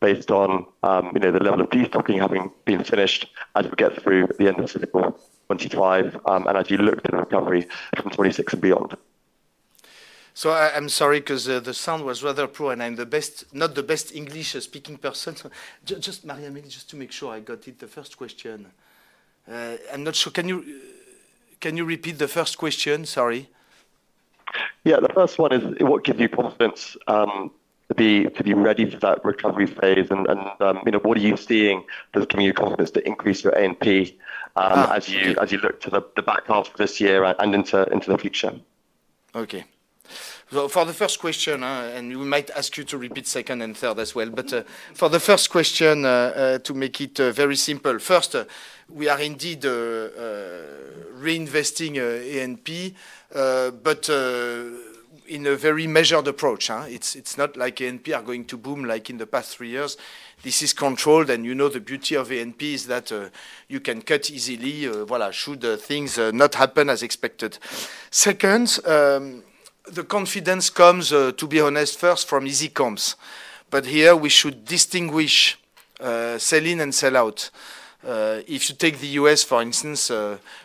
based on the level of detailing having been finished as we get through the end of 2025 and as you look to the recovery from 2026 and beyond? So I'm sorry because the sound was rather poor and I'm not the best English-speaking person. Just, Marie-Amélie, just to make sure I got it, the first question. I'm not sure. Can you repeat the first question? Sorry. Yeah, the first one is, what gives you confidence to be ready for that recovery phase? And what are you seeing that's giving you confidence to increase your NP as you look to the back half of this year and into the future? Okay. So for the first question, and we might ask you to repeat second and third as well, but for the first question, to make it very simple, first, we are indeed reinvesting in NP, but in a very measured approach. It's not like NP are going to boom like in the past three years. This is controlled, and you know the beauty of NP is that you can cut easily should things not happen as expected. Second, the confidence comes, to be honest, first from easy comps. But here, we should distinguish sell-in and sell-out. If you take the U.S., for instance,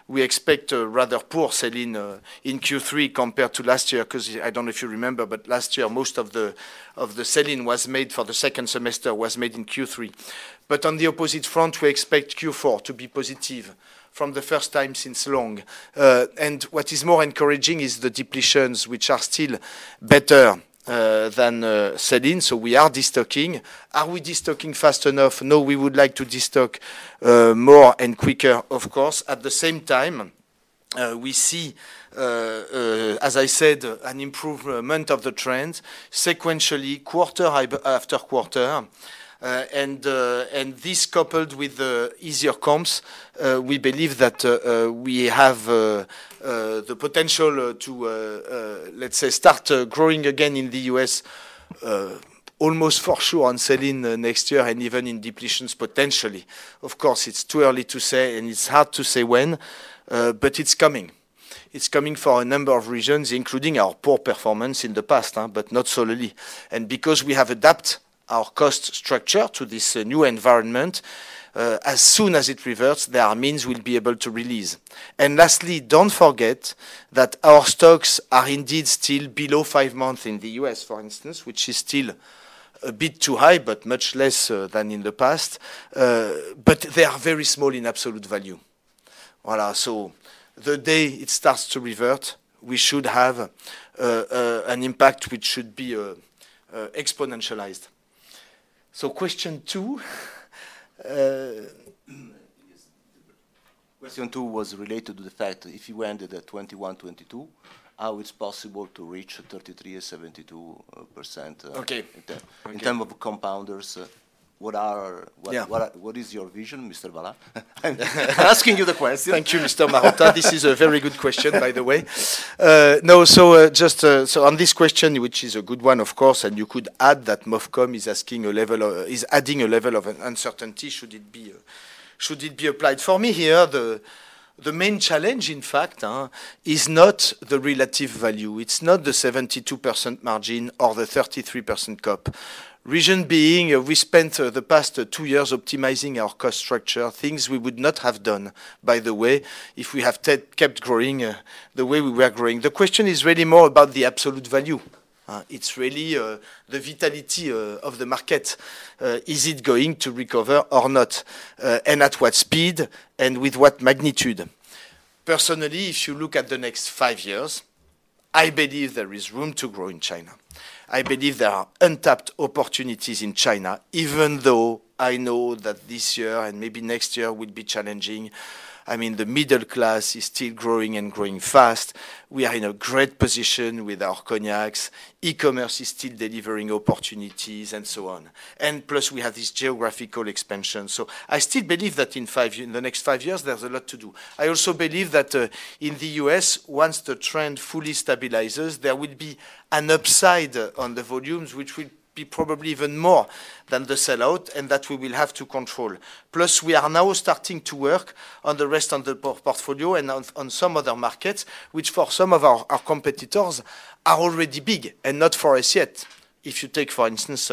we expect a rather poor sell-in in Q3 compared to last year because I don't know if you remember, but last year, most of the sell-in for the second semester was made in Q3. But on the opposite front, we expect Q4 to be positive for the first time in a long time. And what is more encouraging is the depletions, which are still better than sell-in. So we are destocking. Are we destocking fast enough? No, we would like to destock more and quicker, of course. At the same time, we see, as I said, an improvement of the trends sequentially, quarter after quarter. And this, coupled with the easier comps, we believe that we have the potential to, let's say, start growing again in the U.S. almost for sure on sell-in next year and even in depletions potentially. Of course, it's too early to say, and it's hard to say when, but it's coming. It's coming for a number of reasons, including our poor performance in the past, but not solely. And because we have adapted our cost structure to this new environment, as soon as it reverts, there are means we'll be able to release. And lastly, don't forget that our stocks are indeed still below five months in the U.S., for instance, which is still a bit too high, but much less than in the past. But they are very small in absolute value. So the day it starts to revert, we should have an impact which should be exponentialized. So question two. Question two was related to the fact that if you ended at 21%-22%, how it's possible to reach 33%-72%. Okay. In terms of compounders, what is your vision, Mr. Vallat? I'm asking you the question. Thank you, Mr. Marotta. This is a very good question, by the way. No, so just on this question, which is a good one, of course, and you could add that MOFCOM is adding a level of uncertainty, should it be applied? For me here, the main challenge, in fact, is not the relative value. It's not the 72% margin or the 33% COP. Reason being, we spent the past two years optimizing our cost structure, things we would not have done, by the way, if we had kept growing the way we were growing. The question is really more about the absolute value. It's really the vitality of the market. Is it going to recover or not? And at what speed and with what magnitude? Personally, if you look at the next five years, I believe there is room to grow in China. I believe there are untapped opportunities in China, even though I know that this year and maybe next year will be challenging. I mean, the middle class is still growing and growing fast. We are in a great position with our Cognacs. E-commerce is still delivering opportunities and so on. And plus, we have this geographical expansion. So I still believe that in the next five years, there's a lot to do. I also believe that in the U.S., once the trend fully stabilizes, there will be an upside on the volumes, which will be probably even more than the sell-out, and that we will have to control. Plus, we are now starting to work on the rest of the portfolio and on some other markets, which for some of our competitors are already big and not for us yet. If you take, for instance,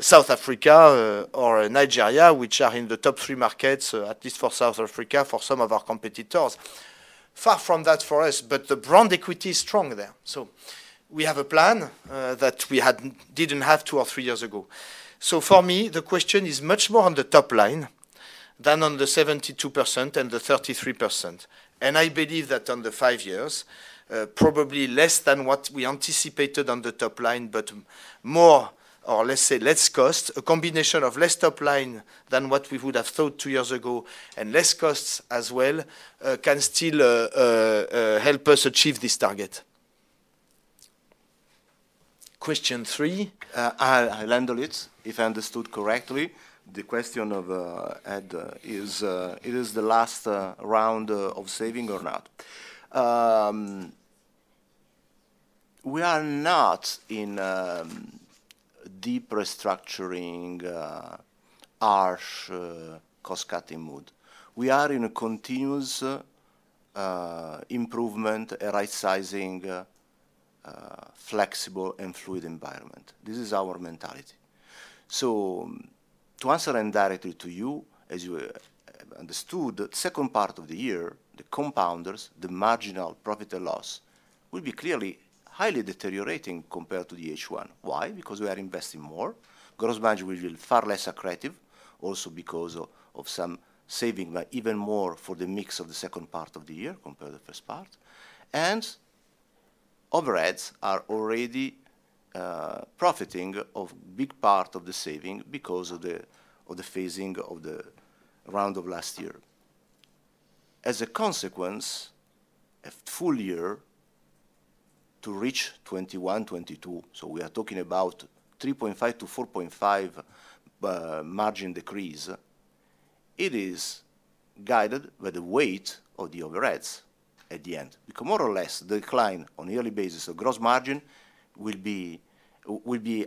South Africa or Nigeria, which are in the top three markets, at least for South Africa, for some of our competitors. Far from that for us, but the brand equity is strong there. So we have a plan that we didn't have two or three years ago. So for me, the question is much more on the top line than on the 72% and the 33%. And I believe that on the five years, probably less than what we anticipated on the top line, but more or less say less cost, a combination of less top line than what we would have thought two years ago and less costs as well can still help us achieve this target. Question three, I'll handle it if I understood correctly. The question of Ed is, is this the last round of saving or not? We are not in deep restructuring, harsh cost-cutting mood. We are in a continuous improvement, right-sizing, flexible, and fluid environment. This is our mentality. So to answer indirectly to you, as you understood, the second part of the year, the compounders, the marginal profit and loss will be clearly highly deteriorating compared to the H1. Why? Because we are investing more. Gross margin will be far less accretive, also because of some saving, but even more for the mix of the second part of the year compared to the first part. And overheads are already profiting of a big part of the saving because of the phasing of the round of last year. As a consequence, a full year to reach 21-22, so we are talking about 3.5-4.5 margin decrease, it is guided by the weight of the overheads at the end. Because more or less, the decline on a yearly basis of gross margin will be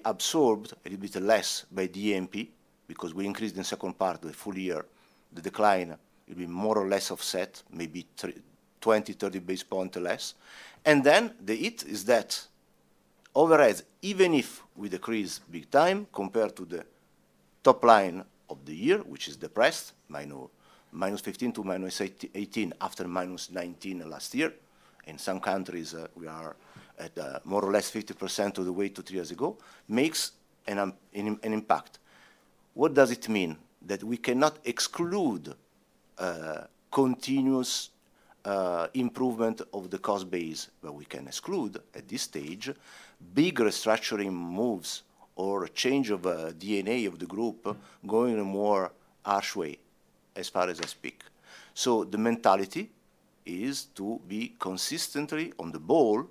absorbed a little bit less by the EMP because we increased in the second part of the full year. The decline will be more or less offset, maybe 20-30 basis points less. And then the hit is that overheads, even if we decrease big time compared to the top line of the year, which is depressed, minus 15 to minus 18 after minus 19 last year, in some countries, we are at more or less 50% of the weight two to three years ago, makes an impact. What does it mean? That we cannot exclude continuous improvement of the cost base where we can exclude at this stage bigger structuring moves or change of DNA of the group going in a more harsh way as far as I speak. The mentality is to be consistently on the ball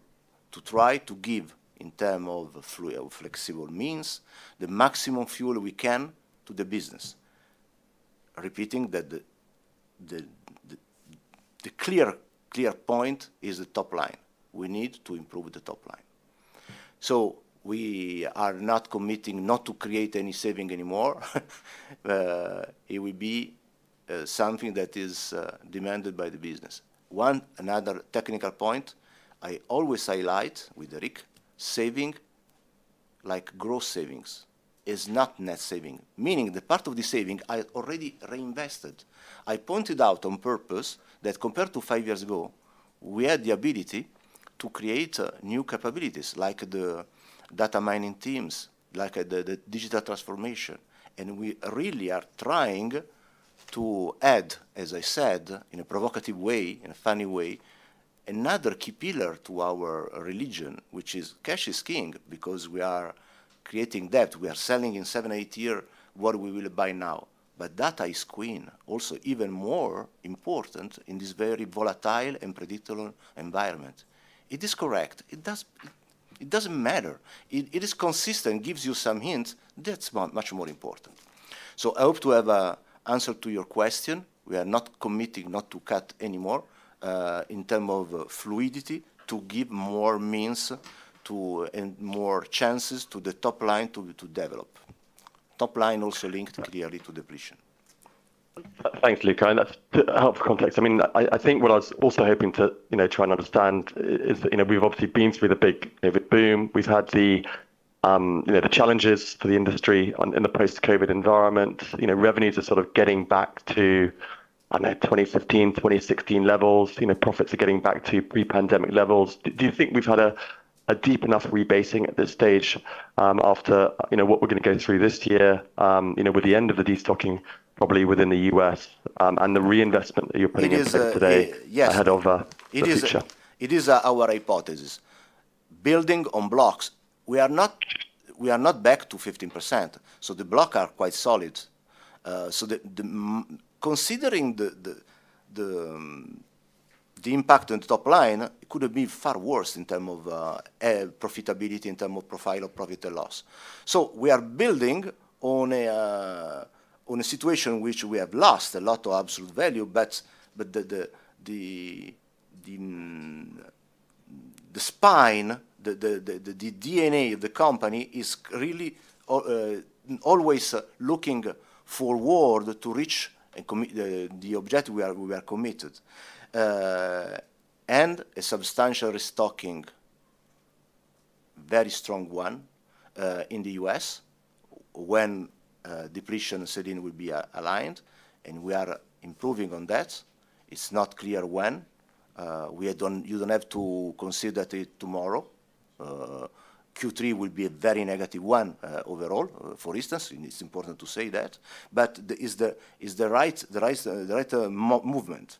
to try to give, in terms of flexible means, the maximum fuel we can to the business. Repeating that the clear point is the top line. We need to improve the top line. We are not committing not to create any saving anymore. It will be something that is demanded by the business. One another technical point I always highlight with Éric, saving like gross savings is not net saving, meaning the part of the saving I already reinvested. I pointed out on purpose that compared to five years ago, we had the ability to create new capabilities like the data mining teams, like the digital transformation. We really are trying to add, as I said, in a provocative way, in a funny way, another key pillar to our religion, which is cash is king because we are creating debt. We are selling in seven or eight years what we will buy now. But data is queen, also even more important in this very volatile and predictable environment. It is correct. It doesn't matter. It is consistent, gives you some hints. That's much more important. So I hope to have an answer to your question. We are not committing not to cut anymore in terms of fluidity to give more means and more chances to the top line to develop. Top line also linked clearly to depletion. Thanks, Luca. That's helpful context. I mean, I think what I was also hoping to try and understand is that we've obviously been through the big COVID boom. We've had the challenges for the industry in the post-COVID environment. Revenues are sort of getting back to, I don't know, 2015, 2016 levels. Profits are getting back to pre-pandemic levels. Do you think we've had a deep enough rebasing at this stage after what we're going to go through this year with the end of the destocking probably within the U.S. and the reinvestment that you're putting in today ahead of the future? It is our hypothesis. Building on blocks, we are not back to 15%. So the blocks are quite solid. So considering the impact on the top line, it could have been far worse in terms of profitability, in terms of profile of profit and loss. So we are building on a situation which we have lost a lot of absolute value, but the spine, the DNA of the company is really always looking forward to reach the objective we are committed. And a substantial restocking, very strong one in the U.S. when depletions and sell-in will be aligned. And we are improving on that. It's not clear when. You don't have to consider that tomorrow. Q3 will be a very negative one overall, for instance. It's important to say that. But it's the right movement.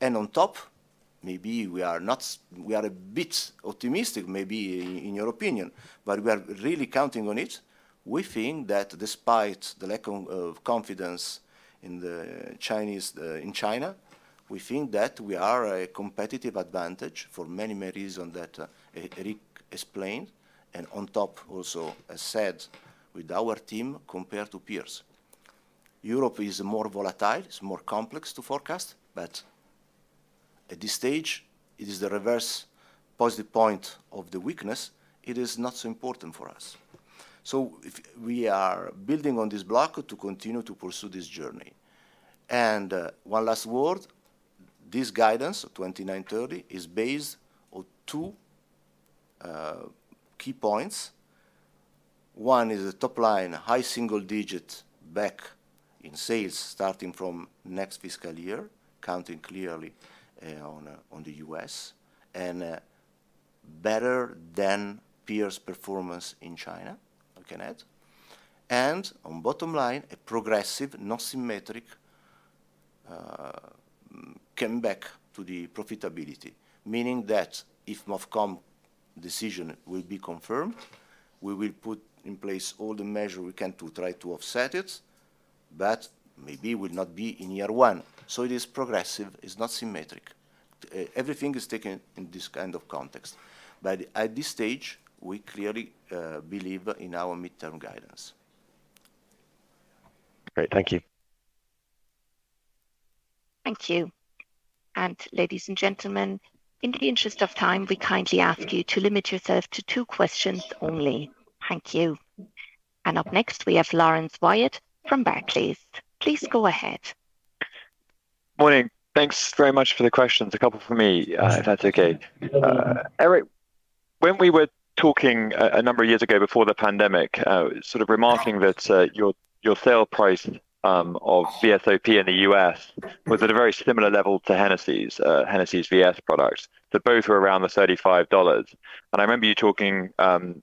And on top, maybe we are a bit optimistic, maybe in your opinion, but we are really counting on it. We think that despite the lack of confidence in China, we think that we are a competitive advantage for many, many reasons that Éric explained. And on top, also said with our team compared to peers. Europe is more volatile. It's more complex to forecast, but at this stage, it is the reverse positive point of the weakness. It is not so important for us, so we are building on this block to continue to pursue this journey, and one last word. This guidance of 29-30 is based on two key points. One is a top line, high single digit back in sales starting from next fiscal year, counting clearly on the U.S. and better than peers' performance in China, I can add, and on bottom line, a progressive, not symmetric, came back to the profitability, meaning that if MOFCOM decision will be confirmed, we will put in place all the measures we can to try to offset it, but maybe it will not be in year one, so it is progressive. It's not symmetric. Everything is taken in this kind of context. But at this stage, we clearly believe in our midterm guidance. Great. Thank you. Thank you. And ladies and gentlemen, in the interest of time, we kindly ask you to limit yourselves to two questions only. Thank you. And up next, we have Laurence Whyatt from Barclays. Please go ahead. Morning. Thanks very much for the questions. A couple for me, if that's okay. Éric, when we were talking a number of years ago before the pandemic, sort of remarking that your sale price of VSOP in the U.S. was at a very similar level to Hennessy's VS products, that both were around the $35. And I remember you talking around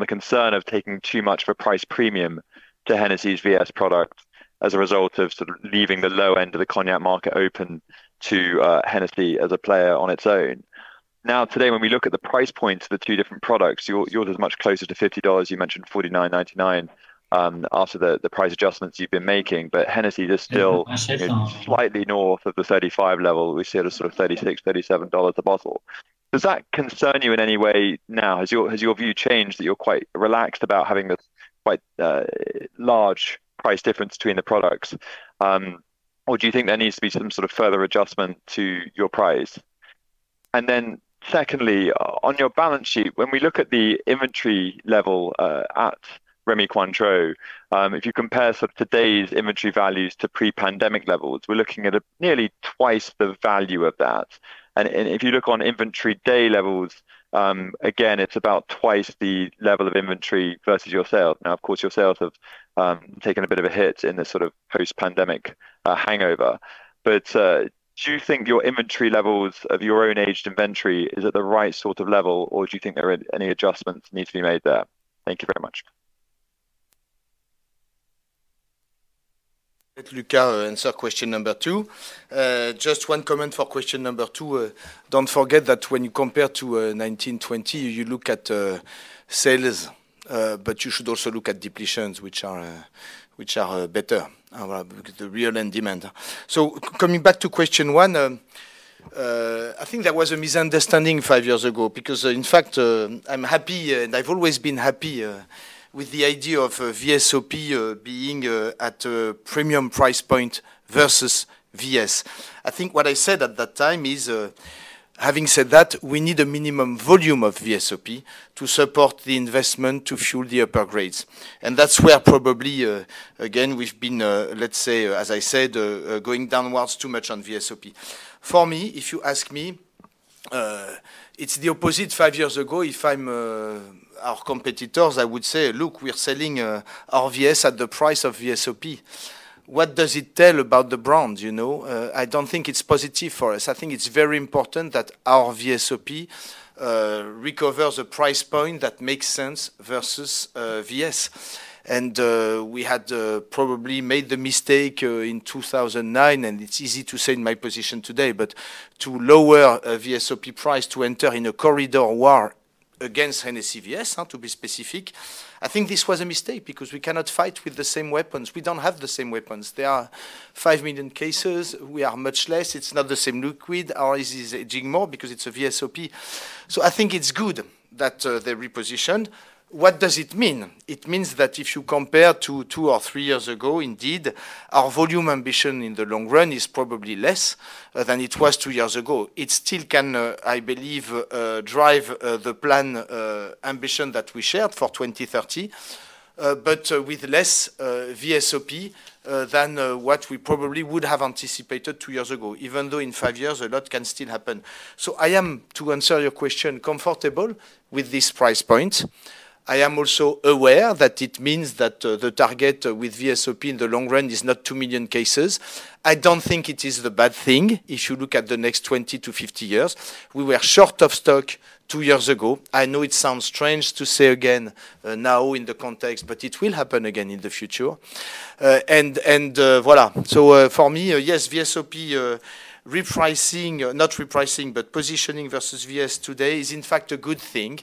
the concern of taking too much of a price premium to Hennessy's VS product as a result of sort of leaving the low end of the cognac market open to Hennessy as a player on its own. Now, today, when we look at the price points of the two different products, yours is much closer to $50. You mentioned $49.99 after the price adjustments you've been making. But Hennessy is still slightly north of the $35 level. We see it at sort of $36, $37 a bottle. Does that concern you in any way now? Has your view changed that you're quite relaxed about having this quite large price difference between the products? Or do you think there needs to be some sort of further adjustment to your price? And then secondly, on your balance sheet, when we look at the inventory level at Rémy Cointreau, if you compare sort of today's inventory values to pre-pandemic levels, we're looking at nearly twice the value of that. And if you look on inventory day levels, again, it's about twice the level of inventory versus your sales. Now, of course, your sales have taken a bit of a hit in the sort of post-pandemic hangover. But do you think your inventory levels of your own aged inventory is at the right sort of level, or do you think there are any adjustments that need to be made there? Thank you very much. Luca will answer question number two. Just one comment for question number two. Don't forget that when you compare to 1920, you look at sales, but you should also look at depletions, which are better because of the real end demand. So coming back to question one, I think there was a misunderstanding five years ago because, in fact, I'm happy, and I've always been happy with the idea of VSOP being at a premium price point versus VS. I think what I said at that time is, having said that, we need a minimum volume of VSOP to support the investment to fuel the upper grades. And that's where probably, again, we've been, let's say, as I said, going downwards too much on VSOP. For me, if you ask me, it's the opposite. Five years ago, if I'm our competitors, I would say, "Look, we're selling our VS at the price of VSOP." What does it tell about the brand? I don't think it's positive for us. I think it's very important that our VSOP recovers a price point that makes sense versus VS. We had probably made the mistake in 2009, and it's easy to say in my position today, but to lower a VSOP price to enter in a price war against Hennessy VS, to be specific. I think this was a mistake because we cannot fight with the same weapons. We don't have the same weapons. There are five million cases. We are much less. It's not the same liquid. Ours is aging more because it's a VSOP. So I think it's good that they repositioned. What does it mean? It means that if you compare to two or three years ago, indeed, our volume ambition in the long run is probably less than it was two years ago. It still can, I believe, drive the plan ambition that we shared for 2030, but with less VSOP than what we probably would have anticipated two years ago, even though in five years, a lot can still happen. So I am, to answer your question, comfortable with this price point. I am also aware that it means that the target with VSOP in the long run is not two million cases. I don't think it is the bad thing if you look at the next 20 to 50 years. We were short of stock two years ago. I know it sounds strange to say again now in the context, but it will happen again in the future. And voilà. So for me, yes, VSOP repricing, not repricing, but positioning versus VS today is in fact a good thing.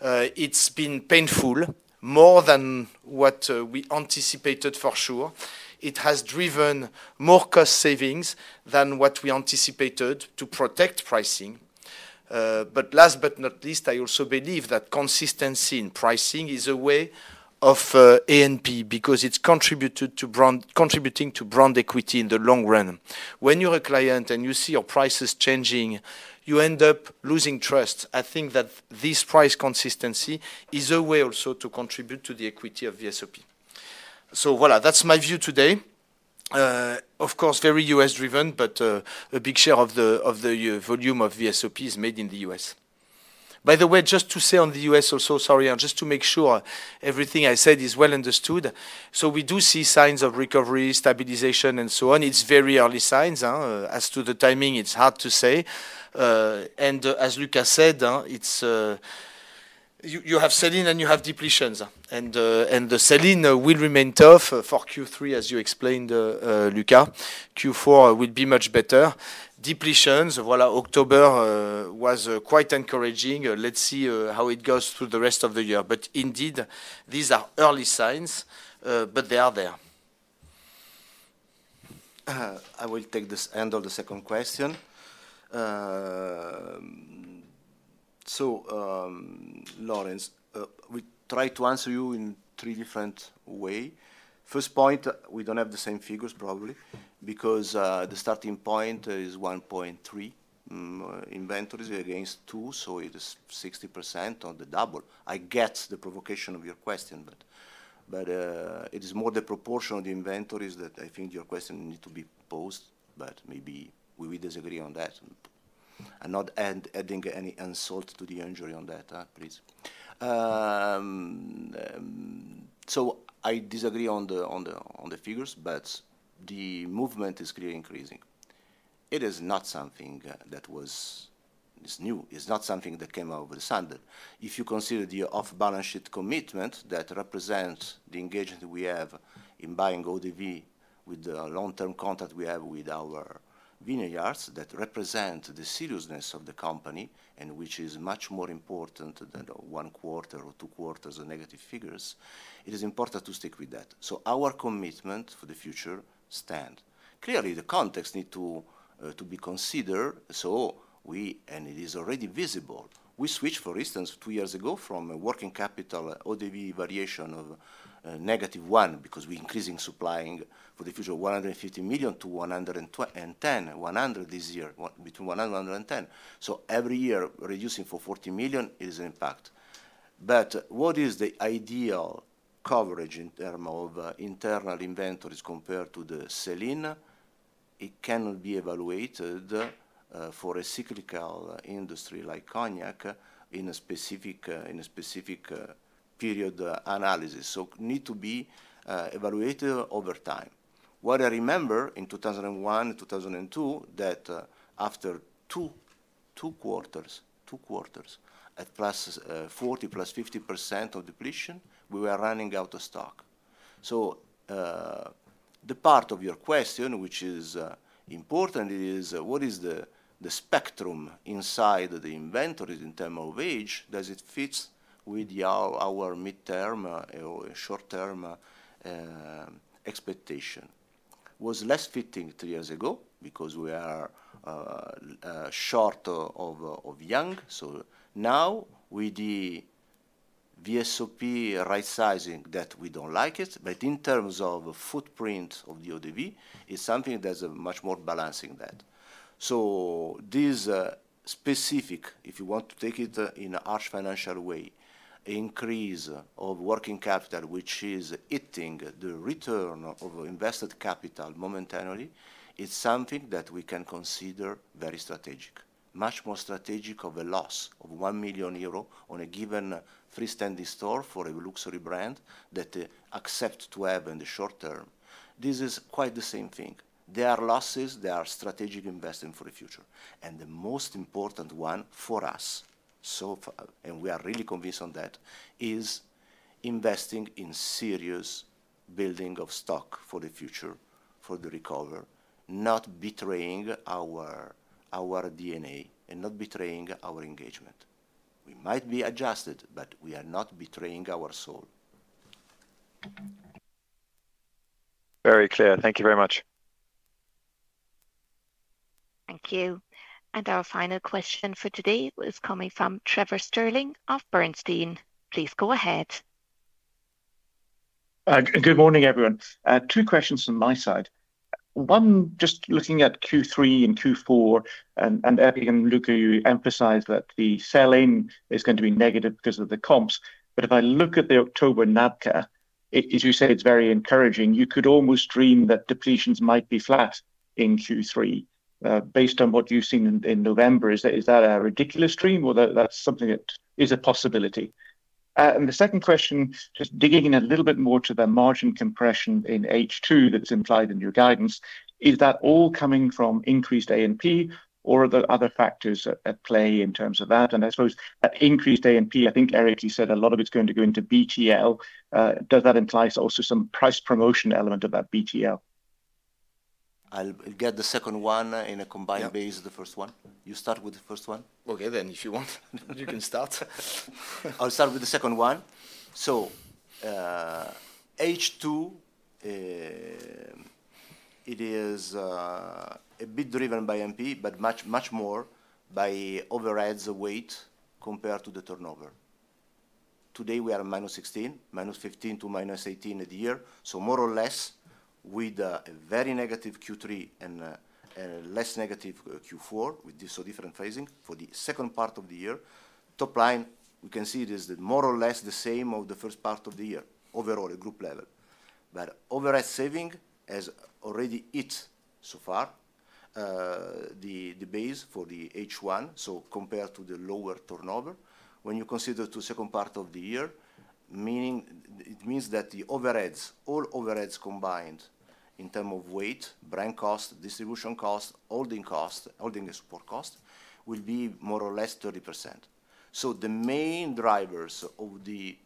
It's been painful more than what we anticipated for sure. It has driven more cost savings than what we anticipated to protect pricing. But last but not least, I also believe that consistency in pricing is a way of A&P because it's contributing to brand equity in the long run. When you're a client and you see your prices changing, you end up losing trust. I think that this price consistency is a way also to contribute to the equity of VSOP. So voilà, that's my view today. Of course, very U.S.-driven, but a big share of the volume of VSOP is made in the U.S. By the way, just to say on the U.S. also, sorry, just to make sure everything I said is well understood. So we do see signs of recovery, stabilization, and so on. It's very early signs. As to the timing, it's hard to say. As Luca said, you have sell-in and you have depletions. The sell-in will remain tough for Q3, as you explained, Luca. Q4 will be much better. Depletions, voilà, October was quite encouraging. Let's see how it goes through the rest of the year. But indeed, these are early signs, but they are there. I will take this and handle the second question. So Laurence, we try to answer you in three different ways. First point, we don't have the same figures probably because the starting point is 1.3 inventories against two, so it is 60% on the double. I get the provocation of your question, but it is more the proportion of the inventories that I think your question needs to be posed, but maybe we will disagree on that. And not adding any salt to the wound on that, please. So I disagree on the figures, but the movement is clearly increasing. It is not something that was new. It's not something that came out of the sand. If you consider the off-balance sheet commitment that represents the engagement we have in buying eaux-de-vie with the long-term contract we have with our vineyards that represent the seriousness of the company and which is much more important than one quarter or two quarters of negative figures, it is important to stick with that. So our commitment for the future stands. Clearly, the context needs to be considered. So we, and it is already visible, we switched, for instance, two years ago from a working capital eaux-de-vie variation of negative one because we're increasing supplying for the future of 150 million to 110, 100 this year, between 100 and 110. So every year reducing for 40 million is an impact. But what is the ideal coverage in terms of internal inventories compared to the selling? It cannot be evaluated for a cyclical industry like cognac in a specific period analysis. So it needs to be evaluated over time. What I remember in 2001, 2002, that after two quarters at plus 40%, plus 50% of depletion, we were running out of stock. So the part of your question, which is important, is what is the spectrum inside the inventories in terms of age? Does it fit with our midterm or short-term expectation? Was less fitting three years ago because we are short of young. So now with the VSOP right-sizing, that we don't like it, but in terms of footprint of the eaux-de-vie, it's something that's much more balancing that. This specific, if you want to take it in a harsh financial way, increase of working capital, which is hitting the return of invested capital momentarily, is something that we can consider very strategic. Much more strategic than a loss of 1 million euro on a given freestanding store for a luxury brand that accepts to have in the short term. This is quite the same thing. There are losses. There are strategic investments for the future. The most important one for us, and we are really convinced on that, is investing in seriously building stock for the future, for the recovery, not betraying our DNA and not betraying our engagement. We might be adjusting, but we are not betraying our soul. Very clear. Thank you very much. Thank you. Our final question for today is coming from Trevor Stirling of Bernstein. Please go ahead. Good morning, everyone. Two questions from my side. One, just looking at Q3 and Q4, and Éric and Luca emphasize that the sell-in is going to be negative because of the comps. But if I look at the October NABCA, as you say, it's very encouraging. You could almost dream that depletions might be flat in Q3 based on what you've seen in November. Is that a ridiculous dream, or that's something that is a possibility? And the second question, just digging in a little bit more to the margin compression in H2 that's implied in your guidance, is that all coming from increased A&P, or are there other factors at play in terms of that? And I suppose that increased A&P, I think Éric said a lot of it's going to go into BTL. Does that imply also some price promotion element of that BTL? I'll get the second one on a combined basis of the first one. You start with the first one. Okay, then if you want, you can start. I'll start with the second one. So H2, it is a bit driven by A&P, but much more by overhead weight compared to the turnover. Today, we are at -16%, -15% to -18% a year. So more or less, with a very negative Q3 and less negative Q4, with so different phasing for the second part of the year, top line, we can see it is more or less the same as the first part of the year overall at group level. But overhead saving has already hit so far the base for the H1, so compared to the lower turnover. When you consider the second part of the year, it means that the overheads, all overheads combined in terms of weight, brand cost, distribution cost, holding cost, holding support cost, will be more or less 30%. So the main drivers of the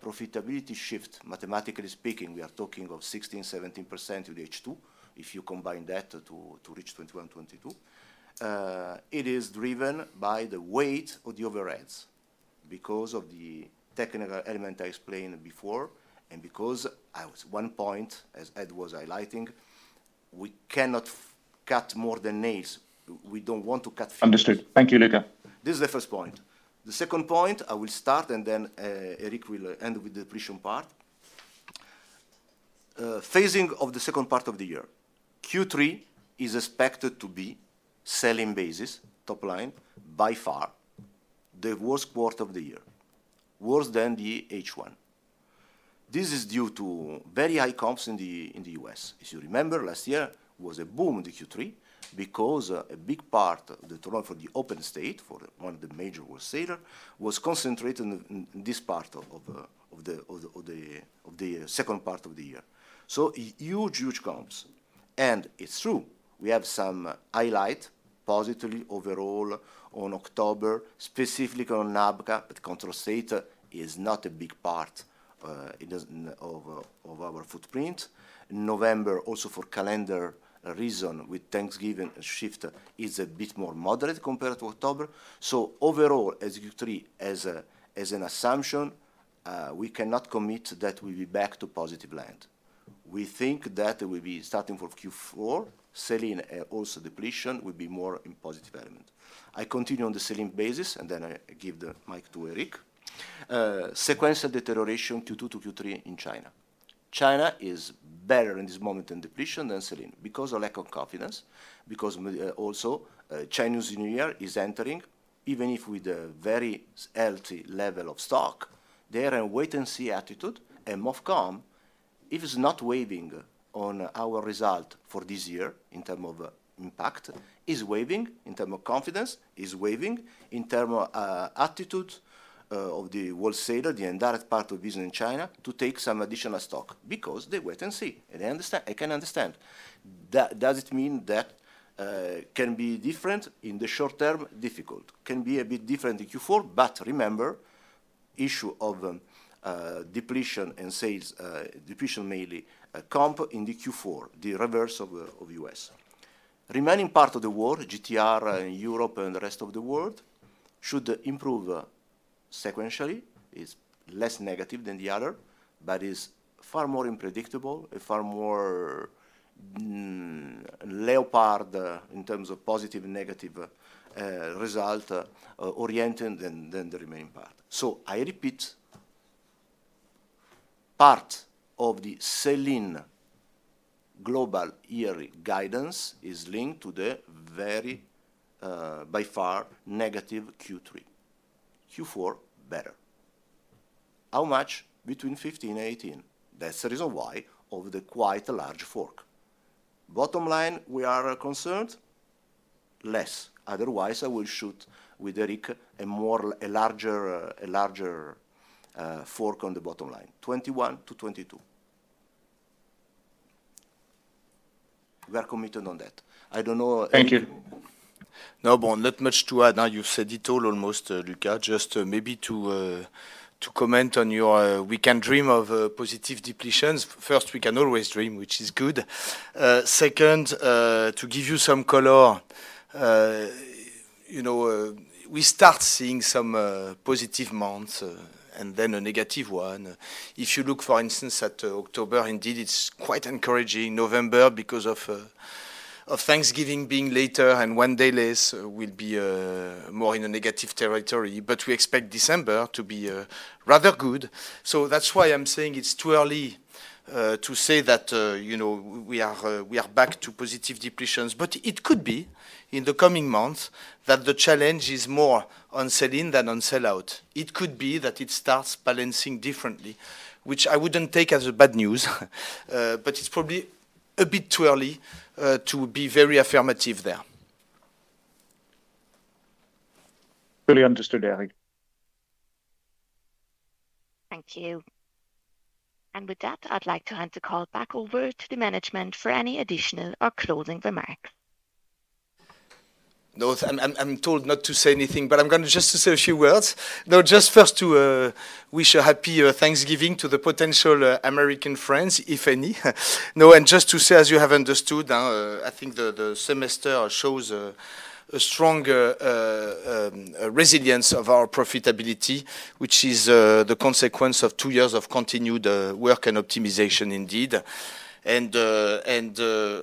profitability shift, mathematically speaking, we are talking of 16%-17% of the H2. If you combine that to reach 21%-22%, it is driven by the weight of the overheads because of the technical element I explained before and because at one point, as Ed was highlighting, we cannot cut more than nails. We don't want to cut. Understood. Thank you, Luca. This is the first point. The second point, I will start, and then Éric will end with the depletion part. Phasing of the second part of the year. Q3 is expected to be, on a sell-in basis, top line, by far the worst quarter of the year, worse than the H1. This is due to very high comps in the US. If you remember, last year, it was a boom in the Q3 because a big part of the turnover for the control states, for one of the major world sales, was concentrated in this part of the second part of the year, so huge, huge comps. And it is true. We have some highlights positively overall on October, specifically on NABCA, but control state data is not a big part of our footprint. November, also for calendar reasons, with Thanksgiving shift, is a bit more moderate compared to October. Overall, for Q3 as an assumption, we cannot commit that we'll be back to positive territory. We think that we'll be starting for Q4, selling and also depletion will be more in positive element. I continue on the selling basis, and then I give the mic to Éric. Sequence of deterioration Q2 to Q3 in China. China is better in this moment in depletion than selling because of lack of confidence, because also Chinese New Year is entering, even if with a very healthy level of stock. They are in wait-and-see attitude. And MOFCOM, if it's not weighing on our result for this year in terms of impact, is weighing in terms of confidence, is weighing in terms of attitude of the wholesale, the indirect part of business in China to take some additional stock because they wait and see. And I understand. I can understand. Does it mean that can be different in the short term, difficult? Can be a bit different in Q4, but remember, issue of depletion and sales, depletion mainly comp in the Q4, the reverse of U.S. Remaining part of the world, GTR in Europe and the rest of the world, should improve sequentially. It's less negative than the other, but it's far more unpredictable and far more lopsided in terms of positive and negative result oriented than the remaining part. So I repeat, part of the full-year global guidance is linked to the very, by far, negative Q3. Q4 better. How much? Between 15 and 18. That's the reason why of the quite large fork. Bottom line, we are concerned? Less. Otherwise, I will shoot with Éric a larger fork on the bottom line, 21 to 22. We are committed on that. I don't know. Thank you. No, but not much to add. Now you've said it all almost, Luca. Just maybe to comment on your, we can dream of positive depletions. First, we can always dream, which is good. Second, to give you some color, we start seeing some positive months and then a negative one. If you look, for instance, at October, indeed, it's quite encouraging. November, because of Thanksgiving being later and one day less, will be more in a negative territory. But we expect December to be rather good. So that's why I'm saying it's too early to say that we are back to positive depletions. But it could be in the coming months that the challenge is more on sell-in than on sell-out. It could be that it starts balancing differently, which I wouldn't take as bad news, but it's probably a bit too early to be very affirmative there. Fully understood, Éric. Thank you. And with that, I'd like to hand the call back over to the management for any additional or closing remarks. No, I'm told not to say anything, but I'm going to just say a few words. No, just first to wish a happy Thanksgiving to the potential American friends, if any. No, and just to say, as you have understood, I think the semester shows a strong resilience of our profitability, which is the consequence of two years of continued work and optimization, indeed. And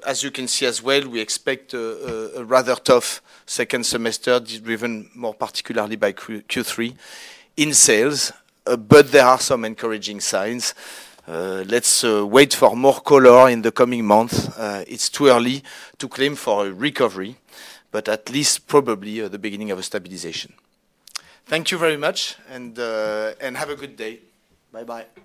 as you can see as well, we expect a rather tough second semester, driven more particularly by Q3 in sales, but there are some encouraging signs. Let's wait for more color in the coming months. It's too early to claim for a recovery, but at least probably at the beginning of a stabilization. Thank you very much, and have a good day. Bye-bye.